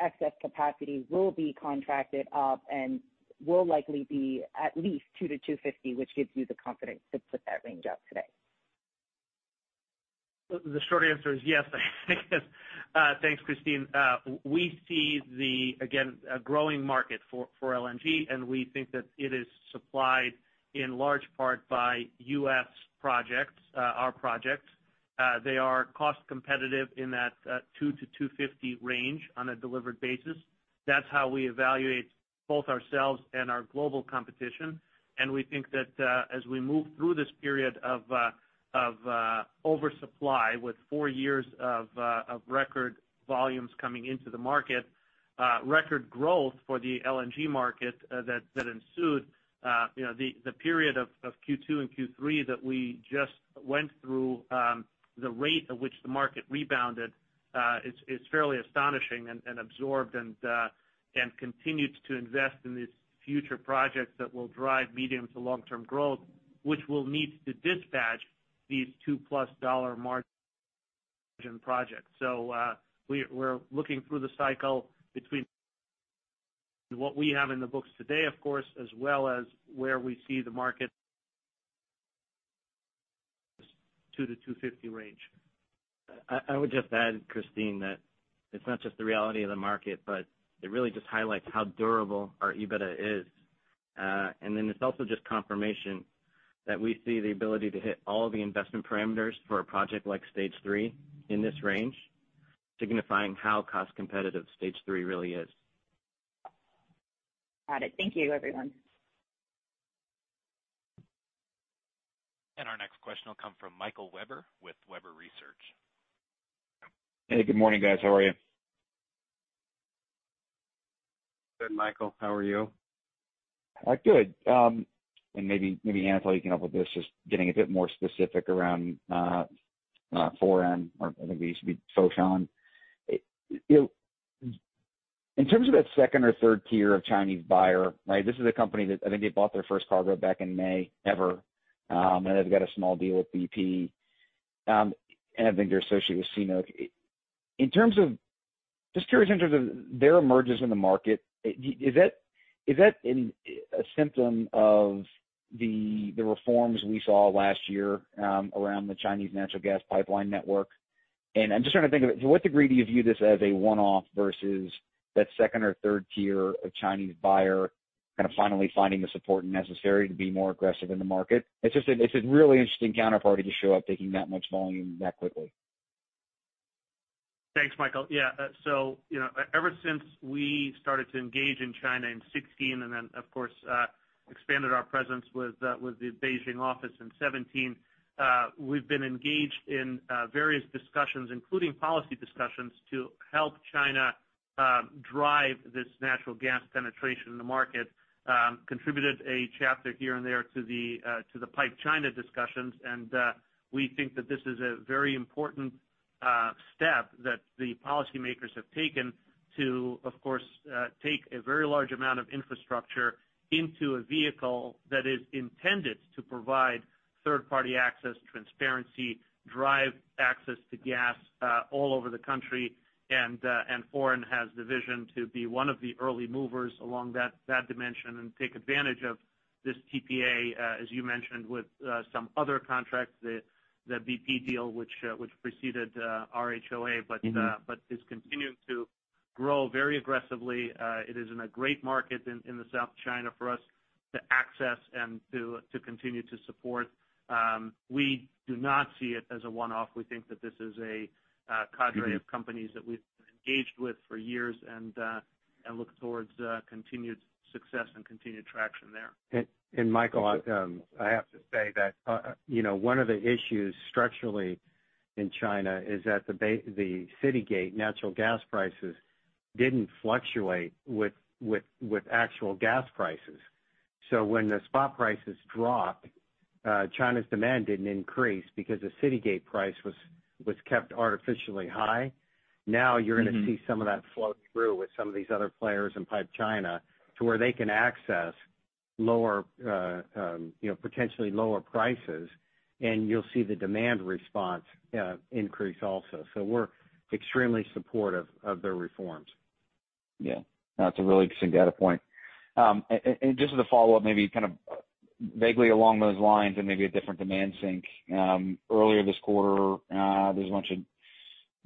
excess capacity will be contracted up and will likely be at least $2.00-$2.50, which gives you the confidence to put that range out today?
The short answer is yes. Thanks, Christine. We see the, again, growing market for LNG. We think that it is supplied in large part by U.S. projects, our projects. They are cost competitive in that $2.00-$2.50 range on a delivered basis. That's how we evaluate both ourselves and our global competition. We think that as we move through this period of oversupply with four years of record volumes coming into the market, record growth for the LNG market, that ensued the period of Q2 and Q3 that we just went through. The rate at which the market rebounded is fairly astonishing and absorbed and continued to invest in these future projects that will drive medium to long-term growth, which will need to dispatch these $2+ margin projects. We're looking through the cycle between what we have in the books today, of course, as well as where we see the market $2.00-$2.50 range.
I would just add, Christine, that it's not just the reality of the market, but it really just highlights how durable our EBITDA is. It's also just confirmation that we see the ability to hit all the investment parameters for a project like Stage 3 in this range, signifying how cost competitive Stage 3 really is.
Got it. Thank you, everyone.
Our next question will come from Michael Webber with Webber Research.
Hey, good morning, guys. How are you?
Good, Michael. How are you?
Good. Maybe, Anatol, you can help with this, just getting a bit more specific around Foran, or I think it used to be Foshan. In terms of that second or third tier of Chinese buyer, this is a company that I think they bought their first cargo back in May ever. They've got a small deal with BP. I think they're associated with CNOOC. Just curious in terms of their emergence in the market, is that a symptom of the reforms we saw last year around the Chinese natural gas pipeline network? I'm just trying to think of it, to what degree do you view this as a one-off versus that second or third tier of Chinese buyer kind of finally finding the support necessary to be more aggressive in the market? It's a really interesting counterparty to show up taking that much volume that quickly.
Thanks, Michael. Yeah. Ever since we started to engage in China in 2016, and then, of course, expanded our presence with the Beijing office in 2017. We've been engaged in various discussions, including policy discussions, to help China drive this natural gas penetration in the market. Contributed a chapter here and there to the PipeChina discussions. We think that this is a very important step that the policymakers have taken to, of course, take a very large amount of infrastructure into a vehicle that is intended to provide third-party access, transparency, drive access to gas all over the country. Foran has the vision to be one of the early movers along that dimension and take advantage of this TPA as you mentioned with some other contracts, the BP deal, which preceded our HOA. Is continuing to grow very aggressively. It is in a great market in South China for us to access and to continue to support. We do not see it as a one-off. We think that this is a cadre of companies that we've engaged with for years and look towards continued success and continued traction there.
And Michael.
Sure.
I have to say that one of the issues structurally in China is that the city gate natural gas prices didn't fluctuate with actual gas prices. When the spot prices dropped, China's demand didn't increase because the city gate price was kept artificially high. You're going to see some of that flow through with some of these other players in PipeChina to where they can access potentially lower prices, and you'll see the demand response increase also. We're extremely supportive of the reforms.
Yeah. That's a really interesting data point. Just as a follow-up, maybe kind of vaguely along those lines and maybe a different demand sink. Earlier this quarter, there was a bunch of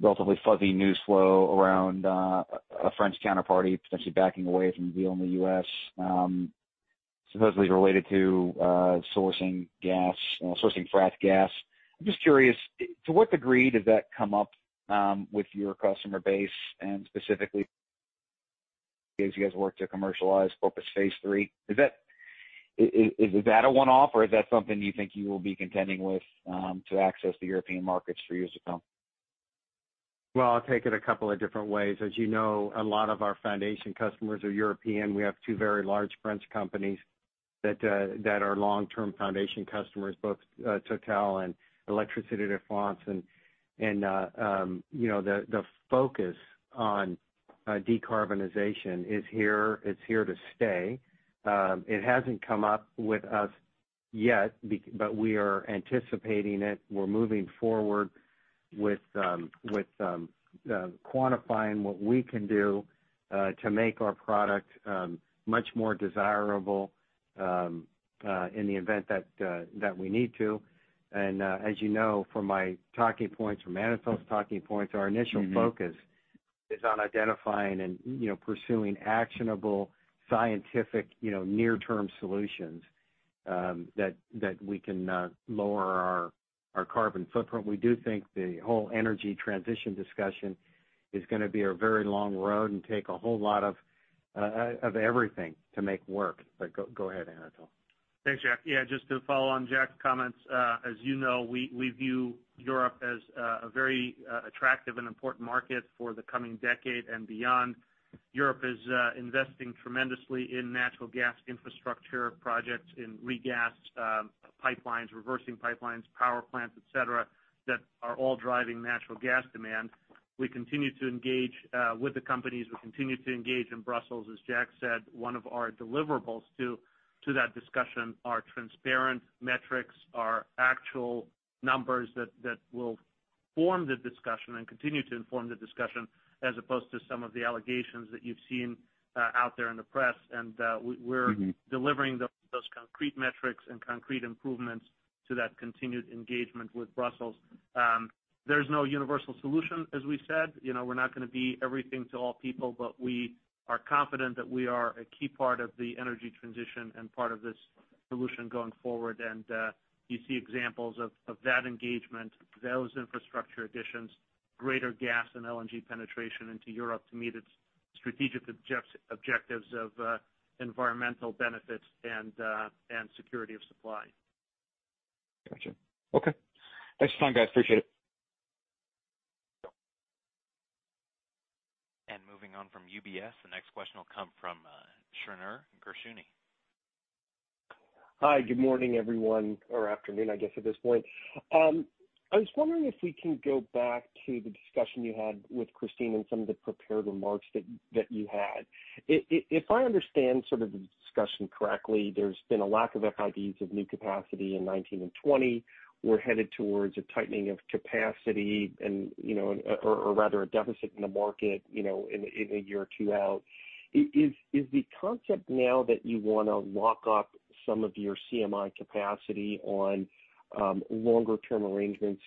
relatively fuzzy news flow around a French counterparty potentially backing away from a deal in the U.S., supposedly related to sourcing fracked gas. I'm just curious, to what degree does that come up with your customer base? Specifically, as you guys work to commercialize Corpus Stage 3, is that a one-off or is that something you think you will be contending with to access the European markets for years to come?
Well, I'll take it a couple of different ways. As you know, a lot of our foundation customers are European. We have two very large French companies that are long-term foundation customers, both Total and Électricité de France. The focus on decarbonization is here. It's here to stay. It hasn't come up with us yet, but we are anticipating it. We're moving forward with quantifying what we can do to make our product much more desirable in the event that we need to. As you know from my talking points, from Anatol's talking points, our initial focus is on identifying and pursuing actionable scientific near-term solutions that we can lower our carbon footprint. We do think the whole energy transition discussion is going to be a very long road and take a whole lot of everything to make work. Go ahead, Anatol.
Thanks, Jack. Yeah, just to follow on Jack's comments. As you know, we view Europe as a very attractive and important market for the coming decade and beyond. Europe is investing tremendously in natural gas infrastructure projects, in regas pipelines, reversing pipelines, power plants, et cetera, that are all driving natural gas demand. We continue to engage with the companies. We continue to engage in Brussels. As Jack said, one of our deliverables to that discussion are transparent metrics, are actual numbers that will form the discussion and continue to inform the discussion as opposed to some of the allegations that you've seen out there in the press. We're delivering those concrete metrics and concrete improvements to that continued engagement with Brussels. There's no universal solution, as we said. We're not going to be everything to all people, but we are confident that we are a key part of the energy transition and part of this solution going forward. You see examples of that engagement, those infrastructure additions, greater gas and LNG penetration into Europe to meet its strategic objectives of environmental benefits and security of supply.
Got you. Okay. Thanks for time, guys. Appreciate it.
Moving on from UBS, the next question will come from Shneur Gershuni.
Hi. Good morning, everyone. Or afternoon, I guess, at this point. I was wondering if we can go back to the discussion you had with Christine and some of the prepared remarks that you had. If I understand sort of the discussion correctly, there has been a lack of FIDs of new capacity in 2019 and 2020. We are headed towards a tightening of capacity or rather a deficit in the market in one year or two out. Is the concept now that you want to lock up some of your CMI capacity on longer-term arrangements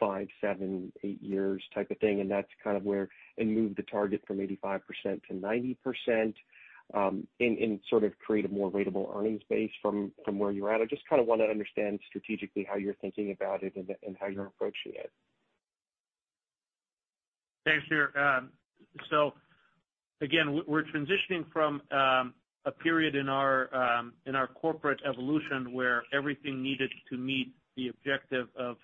five, seven, eight years type of thing, and move the target from 85%-90%, and sort of create a more ratable earnings base from where you are at? I just kind of want to understand strategically how you are thinking about it and how you are approaching it.
Thanks, Shneur. Again, we're transitioning from a period in our corporate evolution where everything needed to meet the objective of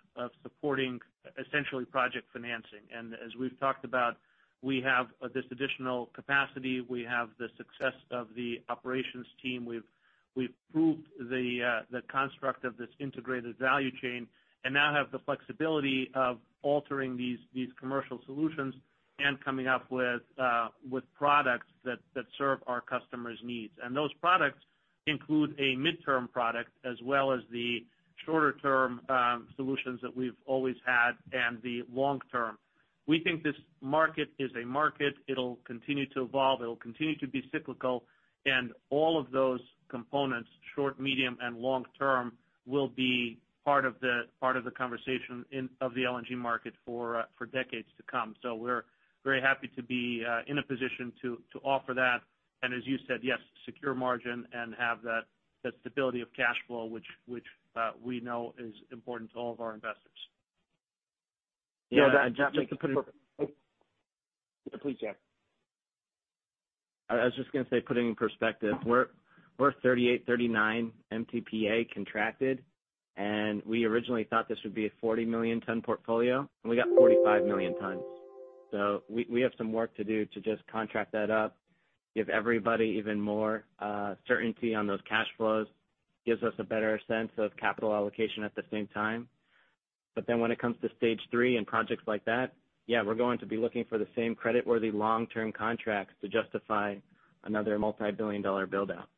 supporting essentially project financing. As we've talked about, we have this additional capacity. We have the success of the operations team. We've proved the construct of this integrated value chain and now have the flexibility of altering these commercial solutions and coming up with products that serve our customers' needs. Those products include a midterm product as well as the shorter-term solutions that we've always had and the long term. We think this market is a market. It'll continue to evolve, it'll continue to be cyclical, and all of those components, short, medium, and long term, will be part of the conversation of the LNG market for decades to come. We're very happy to be in a position to offer that. As you said, yes, secure margin and have that stability of cash flow, which we know is important to all of our investors.
Yeah.
Please, Zach.
I was just going to say, putting in perspective, we're 38, 39 MTPA contracted. We originally thought this would be a 40 million ton portfolio, and we got 45 million tons. We have some work to do to just contract that up, give everybody even more certainty on those cash flows, gives us a better sense of capital allocation at the same time. When it comes to Stage 3 and projects like that, yeah, we're going to be looking for the same creditworthy long-term contracts to justify another multibillion-dollar build-out.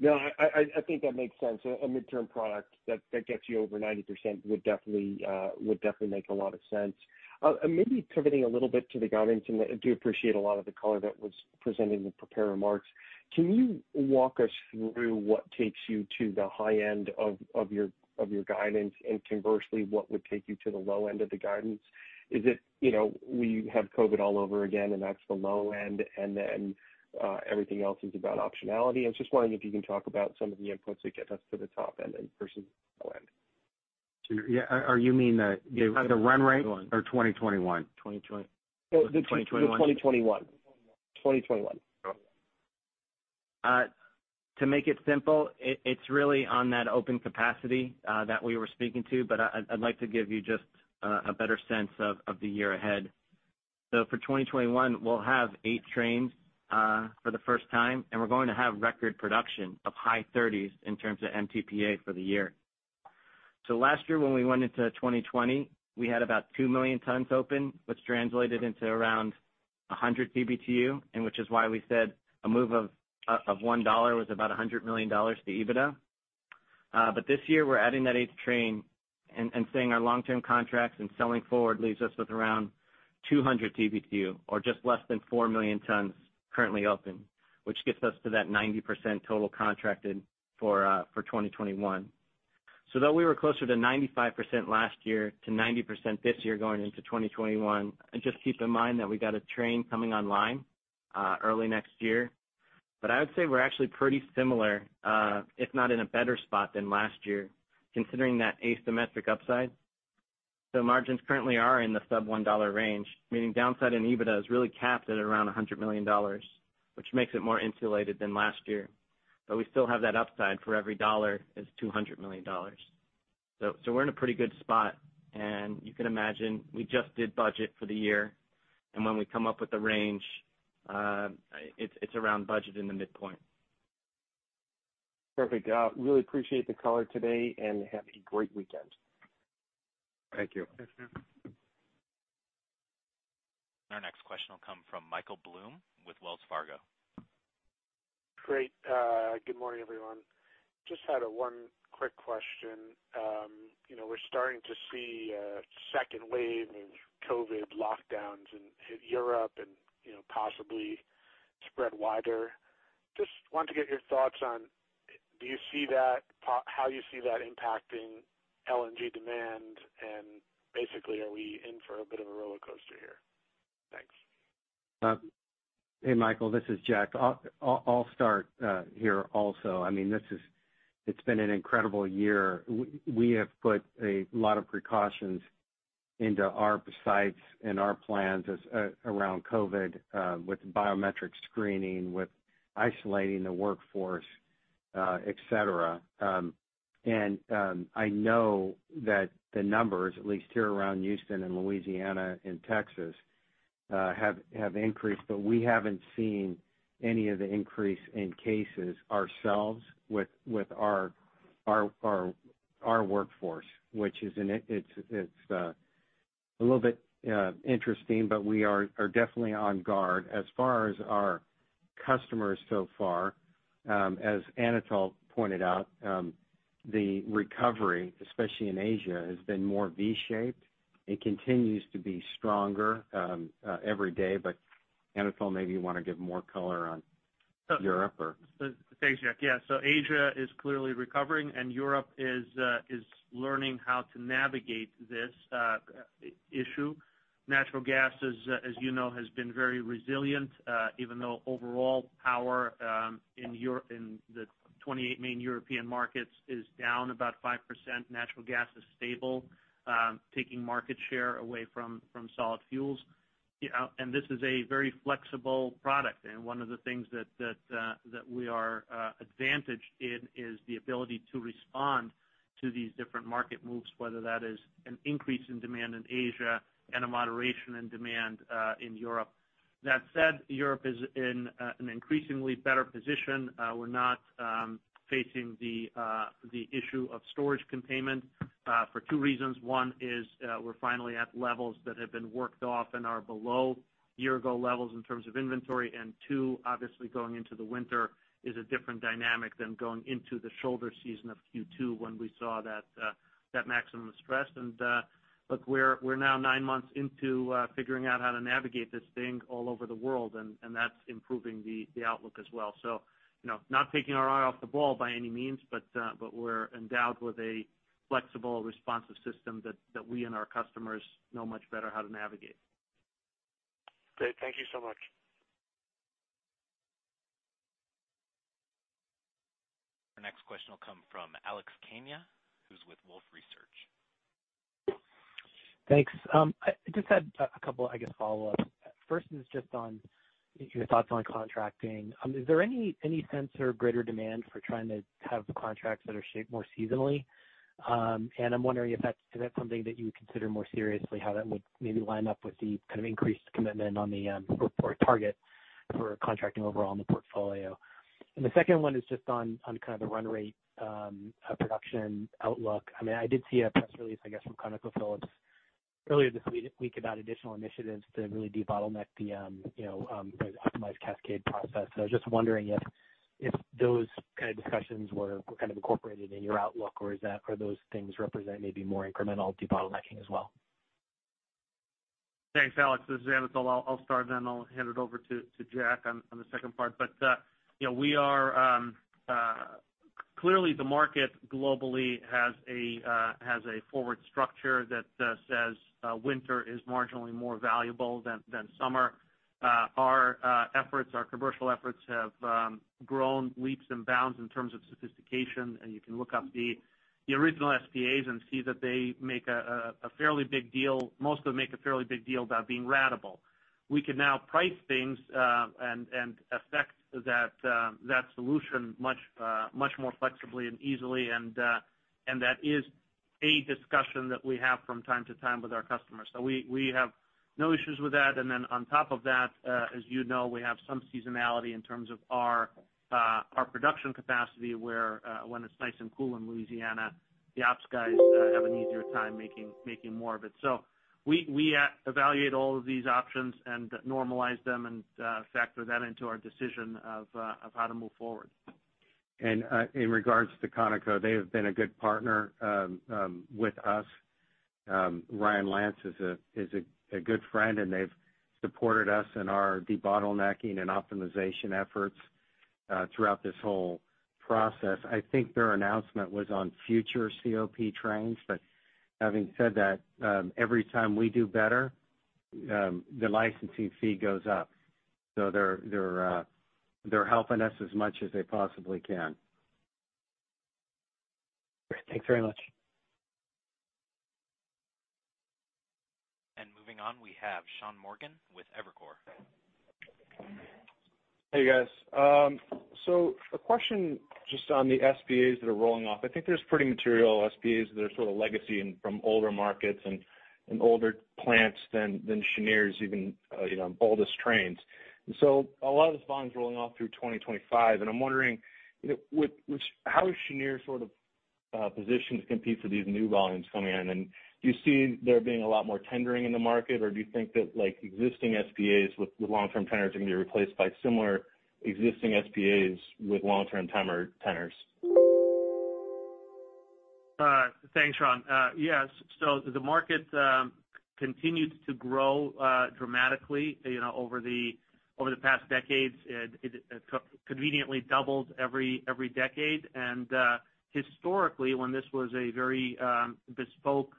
No, I think that makes sense. A midterm product that gets you over 90% would definitely make a lot of sense. I do appreciate a lot of the color that was presented in the prepared remarks. Can you walk us through what takes you to the high end of your guidance, and conversely, what would take you to the low end of the guidance? Is it we have COVID all over again and that's the low end, and then everything else is about optionality? I was just wondering if you can talk about some of the inputs that get us to the top end and versus the low end.
Yeah. You mean the run rate or 2021?
The 2021.
To make it simple, it's really on that open capacity that we were speaking to, but I'd like to give you just a better sense of the year ahead. For 2021, we'll have eight trains for the first time, and we're going to have record production of high 30s in terms of MTPA for the year. Last year when we went into 2020, we had about 2 million tons open, which translated into around 100 TBtu, and which is why we said a move of $1 was about $100 million to EBITDA. This year, we're adding that eighth train and seeing our long-term contracts and selling forward leaves us with around 200 TBtu or just less than 4 million tons currently open, which gets us to that 90% total contracted for 2021. Though we were closer to 95% last year to 90% this year going into 2021, just keep in mind that we got a train coming online early next year. I would say we're actually pretty similar, if not in a better spot than last year, considering that asymmetric upside. Margins currently are in the sub $1 range, meaning downside in EBITDA is really capped at around $100 million, which makes it more insulated than last year. We still have that upside for every $1 is $200 million. We're in a pretty good spot, and you can imagine we just did budget for the year, and when we come up with the range, it's around budget in the midpoint.
Perfect. Really appreciate the color today, and have a great weekend.
Thank you.
Thanks, Shneur.
Our next question will come from Michael Blum with Wells Fargo.
Great. Good morning, everyone. Just had a one quick question. We're starting to see a second wave of COVID lockdowns in Europe and possibly spread wider. Just wanted to get your thoughts on how you see that impacting LNG demand, and basically, are we in for a bit of a roller coaster here? Thanks.
Hey, Michael, this is Jack. I'll start here also. It's been an incredible year. We have put a lot of precautions into our sites and our plans around COVID with biometric screening, with isolating the workforce, et cetera. I know that the numbers, at least here around Houston and Louisiana and Texas have increased, but we haven't seen any of the increase in cases ourselves with our workforce, which it's a little bit interesting, but we are definitely on guard. As far as our customers so far, as Anatol pointed out, the recovery, especially in Asia, has been more V-shaped. It continues to be stronger every day. Anatol, maybe you want to give more color on Europe or?
Thanks, Jack. Yeah. Asia is clearly recovering, and Europe is learning how to navigate this issue. Natural gas, as you know, has been very resilient. Even though overall power in the 28 main European markets is down about 5%, natural gas is stable, taking market share away from solid fuels. This is a very flexible product. One of the things that we are advantaged in is the ability to respond to these different market moves, whether that is an increase in demand in Asia and a moderation in demand in Europe. That said, Europe is in an increasingly better position. We're not facing the issue of storage containment for two reasons. One is we're finally at levels that have been worked off and are below year-ago levels in terms of inventory. Two, obviously going into the winter is a different dynamic than going into the shoulder season of Q2 when we saw that maximum stress. Look, we're now nine months into figuring out how to navigate this thing all over the world, and that's improving the outlook as well. Not taking our eye off the ball by any means, but we're endowed with a flexible, responsive system that we and our customers know much better how to navigate.
Great. Thank you so much.
Next question will come from Alex Kania, who's with Wolfe Research.
Thanks. I just had a couple, I guess, follow-ups. First is just on your thoughts on contracting. Is there any sense or greater demand for trying to have contracts that are shaped more seasonally? I'm wondering if that's something that you would consider more seriously, how that would maybe line up with the increased commitment on the report target for contracting overall in the portfolio. The second one is just on the run rate production outlook. I did see a press release, I guess, from ConocoPhillips earlier this week about additional initiatives to really debottleneck the optimized cascade process. I was just wondering if those kind of discussions were incorporated in your outlook or are those things represent maybe more incremental debottlenecking as well?
Thanks, Alex. This is Anatol. I'll start then I'll hand it over to Jack on the second part. Clearly the market globally has a forward structure that says winter is marginally more valuable than summer. Our commercial efforts have grown leaps and bounds in terms of sophistication, you can look up the original SPAs and see that they make a fairly big deal. Most of them make a fairly big deal about being ratable. We can now price things, affect that solution much more flexibly and easily that is a discussion that we have from time to time with our customers. We have no issues with that. On top of that, as you know, we have some seasonality in terms of our production capacity where when it's nice and cool in Louisiana, the ops guys have an easier time making more of it. We evaluate all of these options and normalize them and factor that into our decision of how to move forward.
In regards to Conoco, they have been a good partner with us. Ryan Lance is a good friend, and they've supported us in our debottlenecking and optimization efforts throughout this whole process. I think their announcement was on future COP trains. Having said that, every time we do better, the licensing fee goes up. They're helping us as much as they possibly can.
Great. Thanks very much.
Moving on, we have Sean Morgan with Evercore.
Hey, guys. A question just on the SPAs that are rolling off. I think there's pretty material SPAs that are sort of legacy and from older markets and older plants than Cheniere's even oldest trains. A lot of this volume's rolling off through 2025. I'm wondering how is Cheniere positioned to compete for these new volumes coming in? Do you see there being a lot more tendering in the market, or do you think that existing SPAs with long-term tenors are going to be replaced by similar existing SPAs with long-term tenors?
Thanks, Sean. Yes. The market continued to grow dramatically over the past decades. It conveniently doubled every decade. Historically, when this was a very bespoke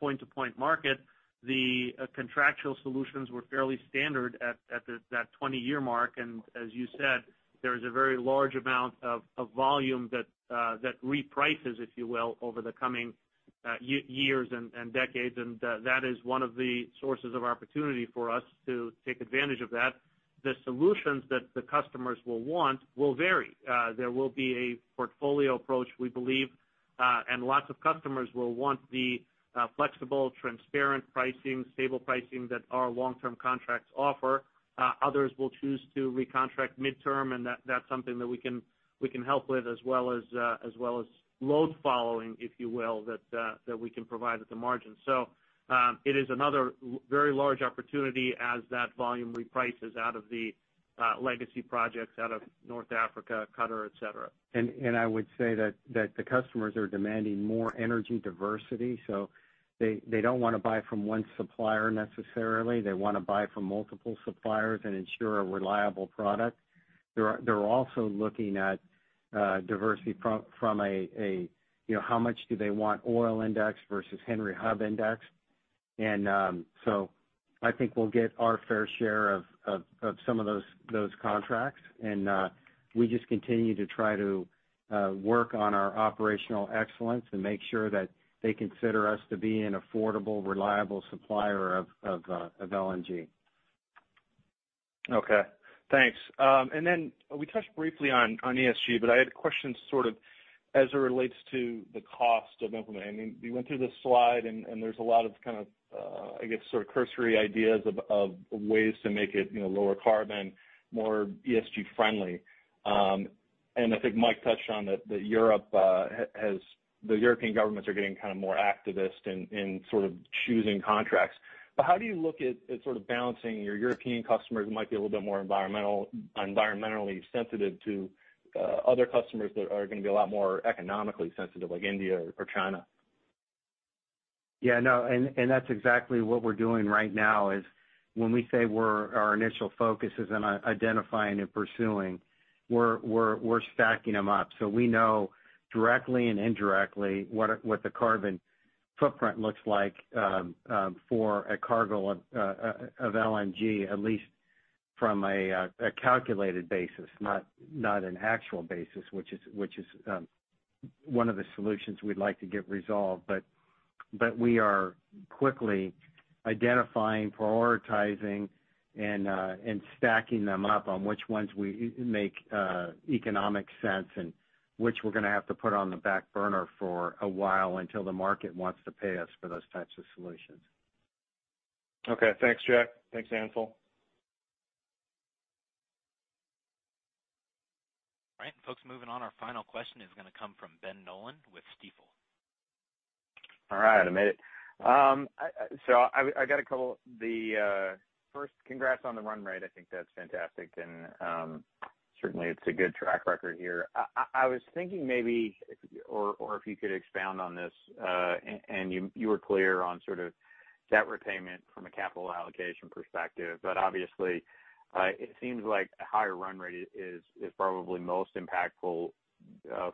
point-to-point market, the contractual solutions were fairly standard at that 20-year mark. As you said, there is a very large amount of volume that reprices, if you will, over the coming years and decades. That is one of the sources of opportunity for us to take advantage of that. The solutions that the customers will want will vary. There will be a portfolio approach, we believe, and lots of customers will want the flexible, transparent pricing, stable pricing that our long-term contracts offer. Others will choose to recontract midterm, and that's something that we can help with as well as load following, if you will, that we can provide at the margin. It is another very large opportunity as that volume reprices out of the legacy projects out of North Africa, Qatar, et cetera.
I would say that the customers are demanding more energy diversity, so they don't want to buy from one supplier necessarily. They want to buy from multiple suppliers and ensure a reliable product. They're also looking at diversity from how much do they want oil index versus Henry Hub index. I think we'll get our fair share of some of those contracts. We just continue to try to work on our operational excellence and make sure that they consider us to be an affordable, reliable supplier of LNG.
Okay. Thanks. We touched briefly on ESG, but I had a question as it relates to the cost of implementing. You went through this slide, and there's a lot of kind of, I guess, sort of cursory ideas of ways to make it lower carbon, more ESG-friendly. I think Mike touched on that the European governments are getting more activist in choosing contracts. How do you look at balancing your European customers who might be a little bit more environmentally sensitive to other customers that are going to be a lot more economically sensitive, like India or China?
That's exactly what we're doing right now is when we say our initial focus is on identifying and pursuing, we're stacking them up. We know directly and indirectly what the carbon footprint looks like for a cargo of LNG, at least.
From a calculated basis, not an actual basis, which is one of the solutions we'd like to get resolved. We are quickly identifying, prioritizing, and stacking them up on which ones make economic sense and which we're going to have to put on the back burner for a while until the market wants to pay us for those types of solutions.
Okay. Thanks, Jack. Thanks, Anatol.
All right, folks. Moving on. Our final question is going to come from Ben Nolan with Stifel.
Right. I made it. I got a couple. First, congrats on the run rate. I think that's fantastic and certainly it's a good track record here. I was thinking maybe, or if you could expound on this, and you were clear on sort of debt repayment from a capital allocation perspective, but obviously it seems like a higher run rate is probably most impactful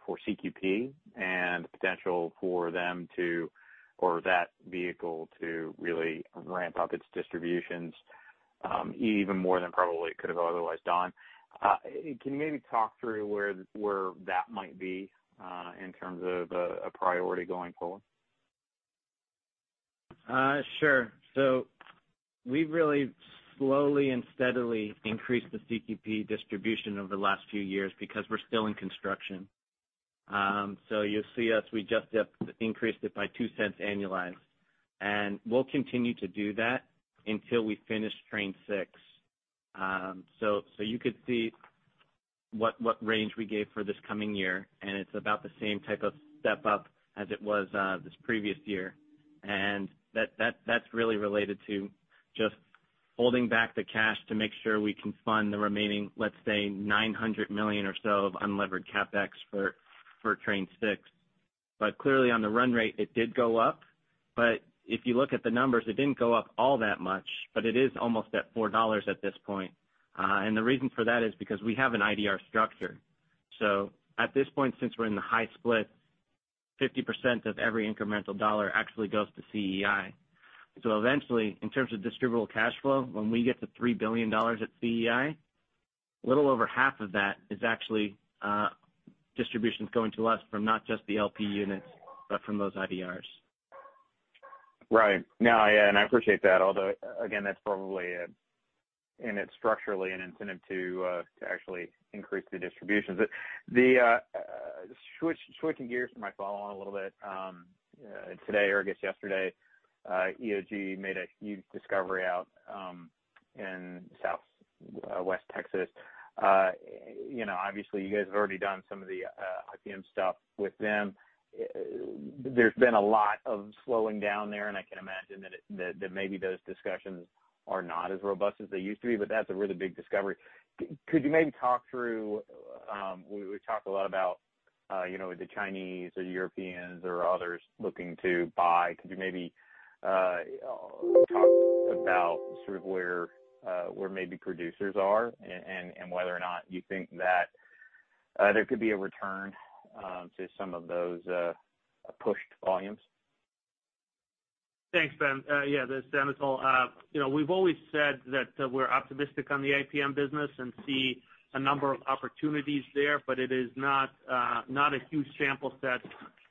for CQP and the potential for them to, or that vehicle to really ramp up its distributions even more than probably it could have otherwise done. Can you maybe talk through where that might be in terms of a priority going forward?
We've really slowly and steadily increased the CQP distribution over the last few years because we're still in construction. You'll see us, we just increased it by $0.02 annualized, and we'll continue to do that until we finish Train 6. You could see what range we gave for this coming year, and it's about the same type of step up as it was this previous year. That's really related to just holding back the cash to make sure we can fund the remaining, let's say, $900 million or so of unlevered CapEx for Train 6. Clearly on the run rate, it did go up. If you look at the numbers, it didn't go up all that much, but it is almost at $4 at this point. The reason for that is because we have an IDR structure. At this point, since we're in the high split, 50% of every incremental dollar actually goes to CEI. Eventually, in terms of distributable cash flow, when we get to $3 billion at CEI, a little over half of that is actually distributions going to us from not just the LP units, but from those IDRs.
Right. No, I appreciate that, although, again, that's probably structurally an incentive to actually increase the distributions. Switching gears for my follow on a little bit. Today or I guess yesterday, EOG made a huge discovery out in Southwest Texas. Obviously you guys have already done some of the IPM stuff with them. There's been a lot of slowing down there. I can imagine that maybe those discussions are not as robust as they used to be. That's a really big discovery. Could you maybe talk through, we talk a lot about the Chinese or Europeans or others looking to buy. Could you maybe talk about sort of where maybe producers are and whether or not you think that there could be a return to some of those pushed volumes?
Thanks, Ben. Yeah. This is Anatol. We've always said that we're optimistic on the IPM business and see a number of opportunities there, but it is not a huge sample set.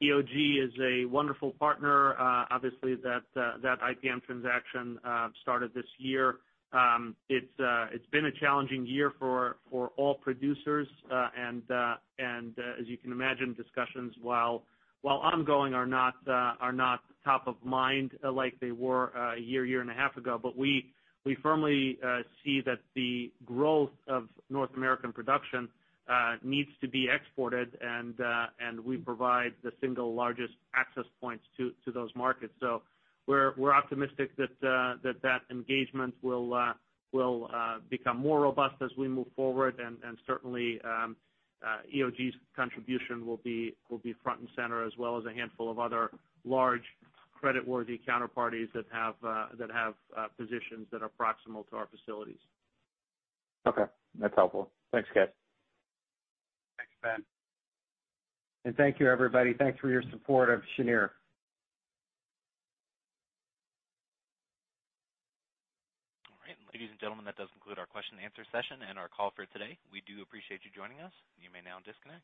EOG is a wonderful partner. Obviously that IPM transaction started this year. It's been a challenging year for all producers. As you can imagine, discussions, while ongoing, are not top of mind like they were a year and a half ago. We firmly see that the growth of North American production needs to be exported, and we provide the single largest access points to those markets. We're optimistic that that engagement will become more robust as we move forward. Certainly, EOG's contribution will be front and center, as well as a handful of other large creditworthy counterparties that have positions that are proximal to our facilities.
Okay. That's helpful. Thanks, guys.
Thanks, Ben.
Thank you, everybody. Thanks for your support of Cheniere.
All right. Ladies and gentlemen, that does conclude our question and answer session and our call for today. We do appreciate you joining us. You may now disconnect.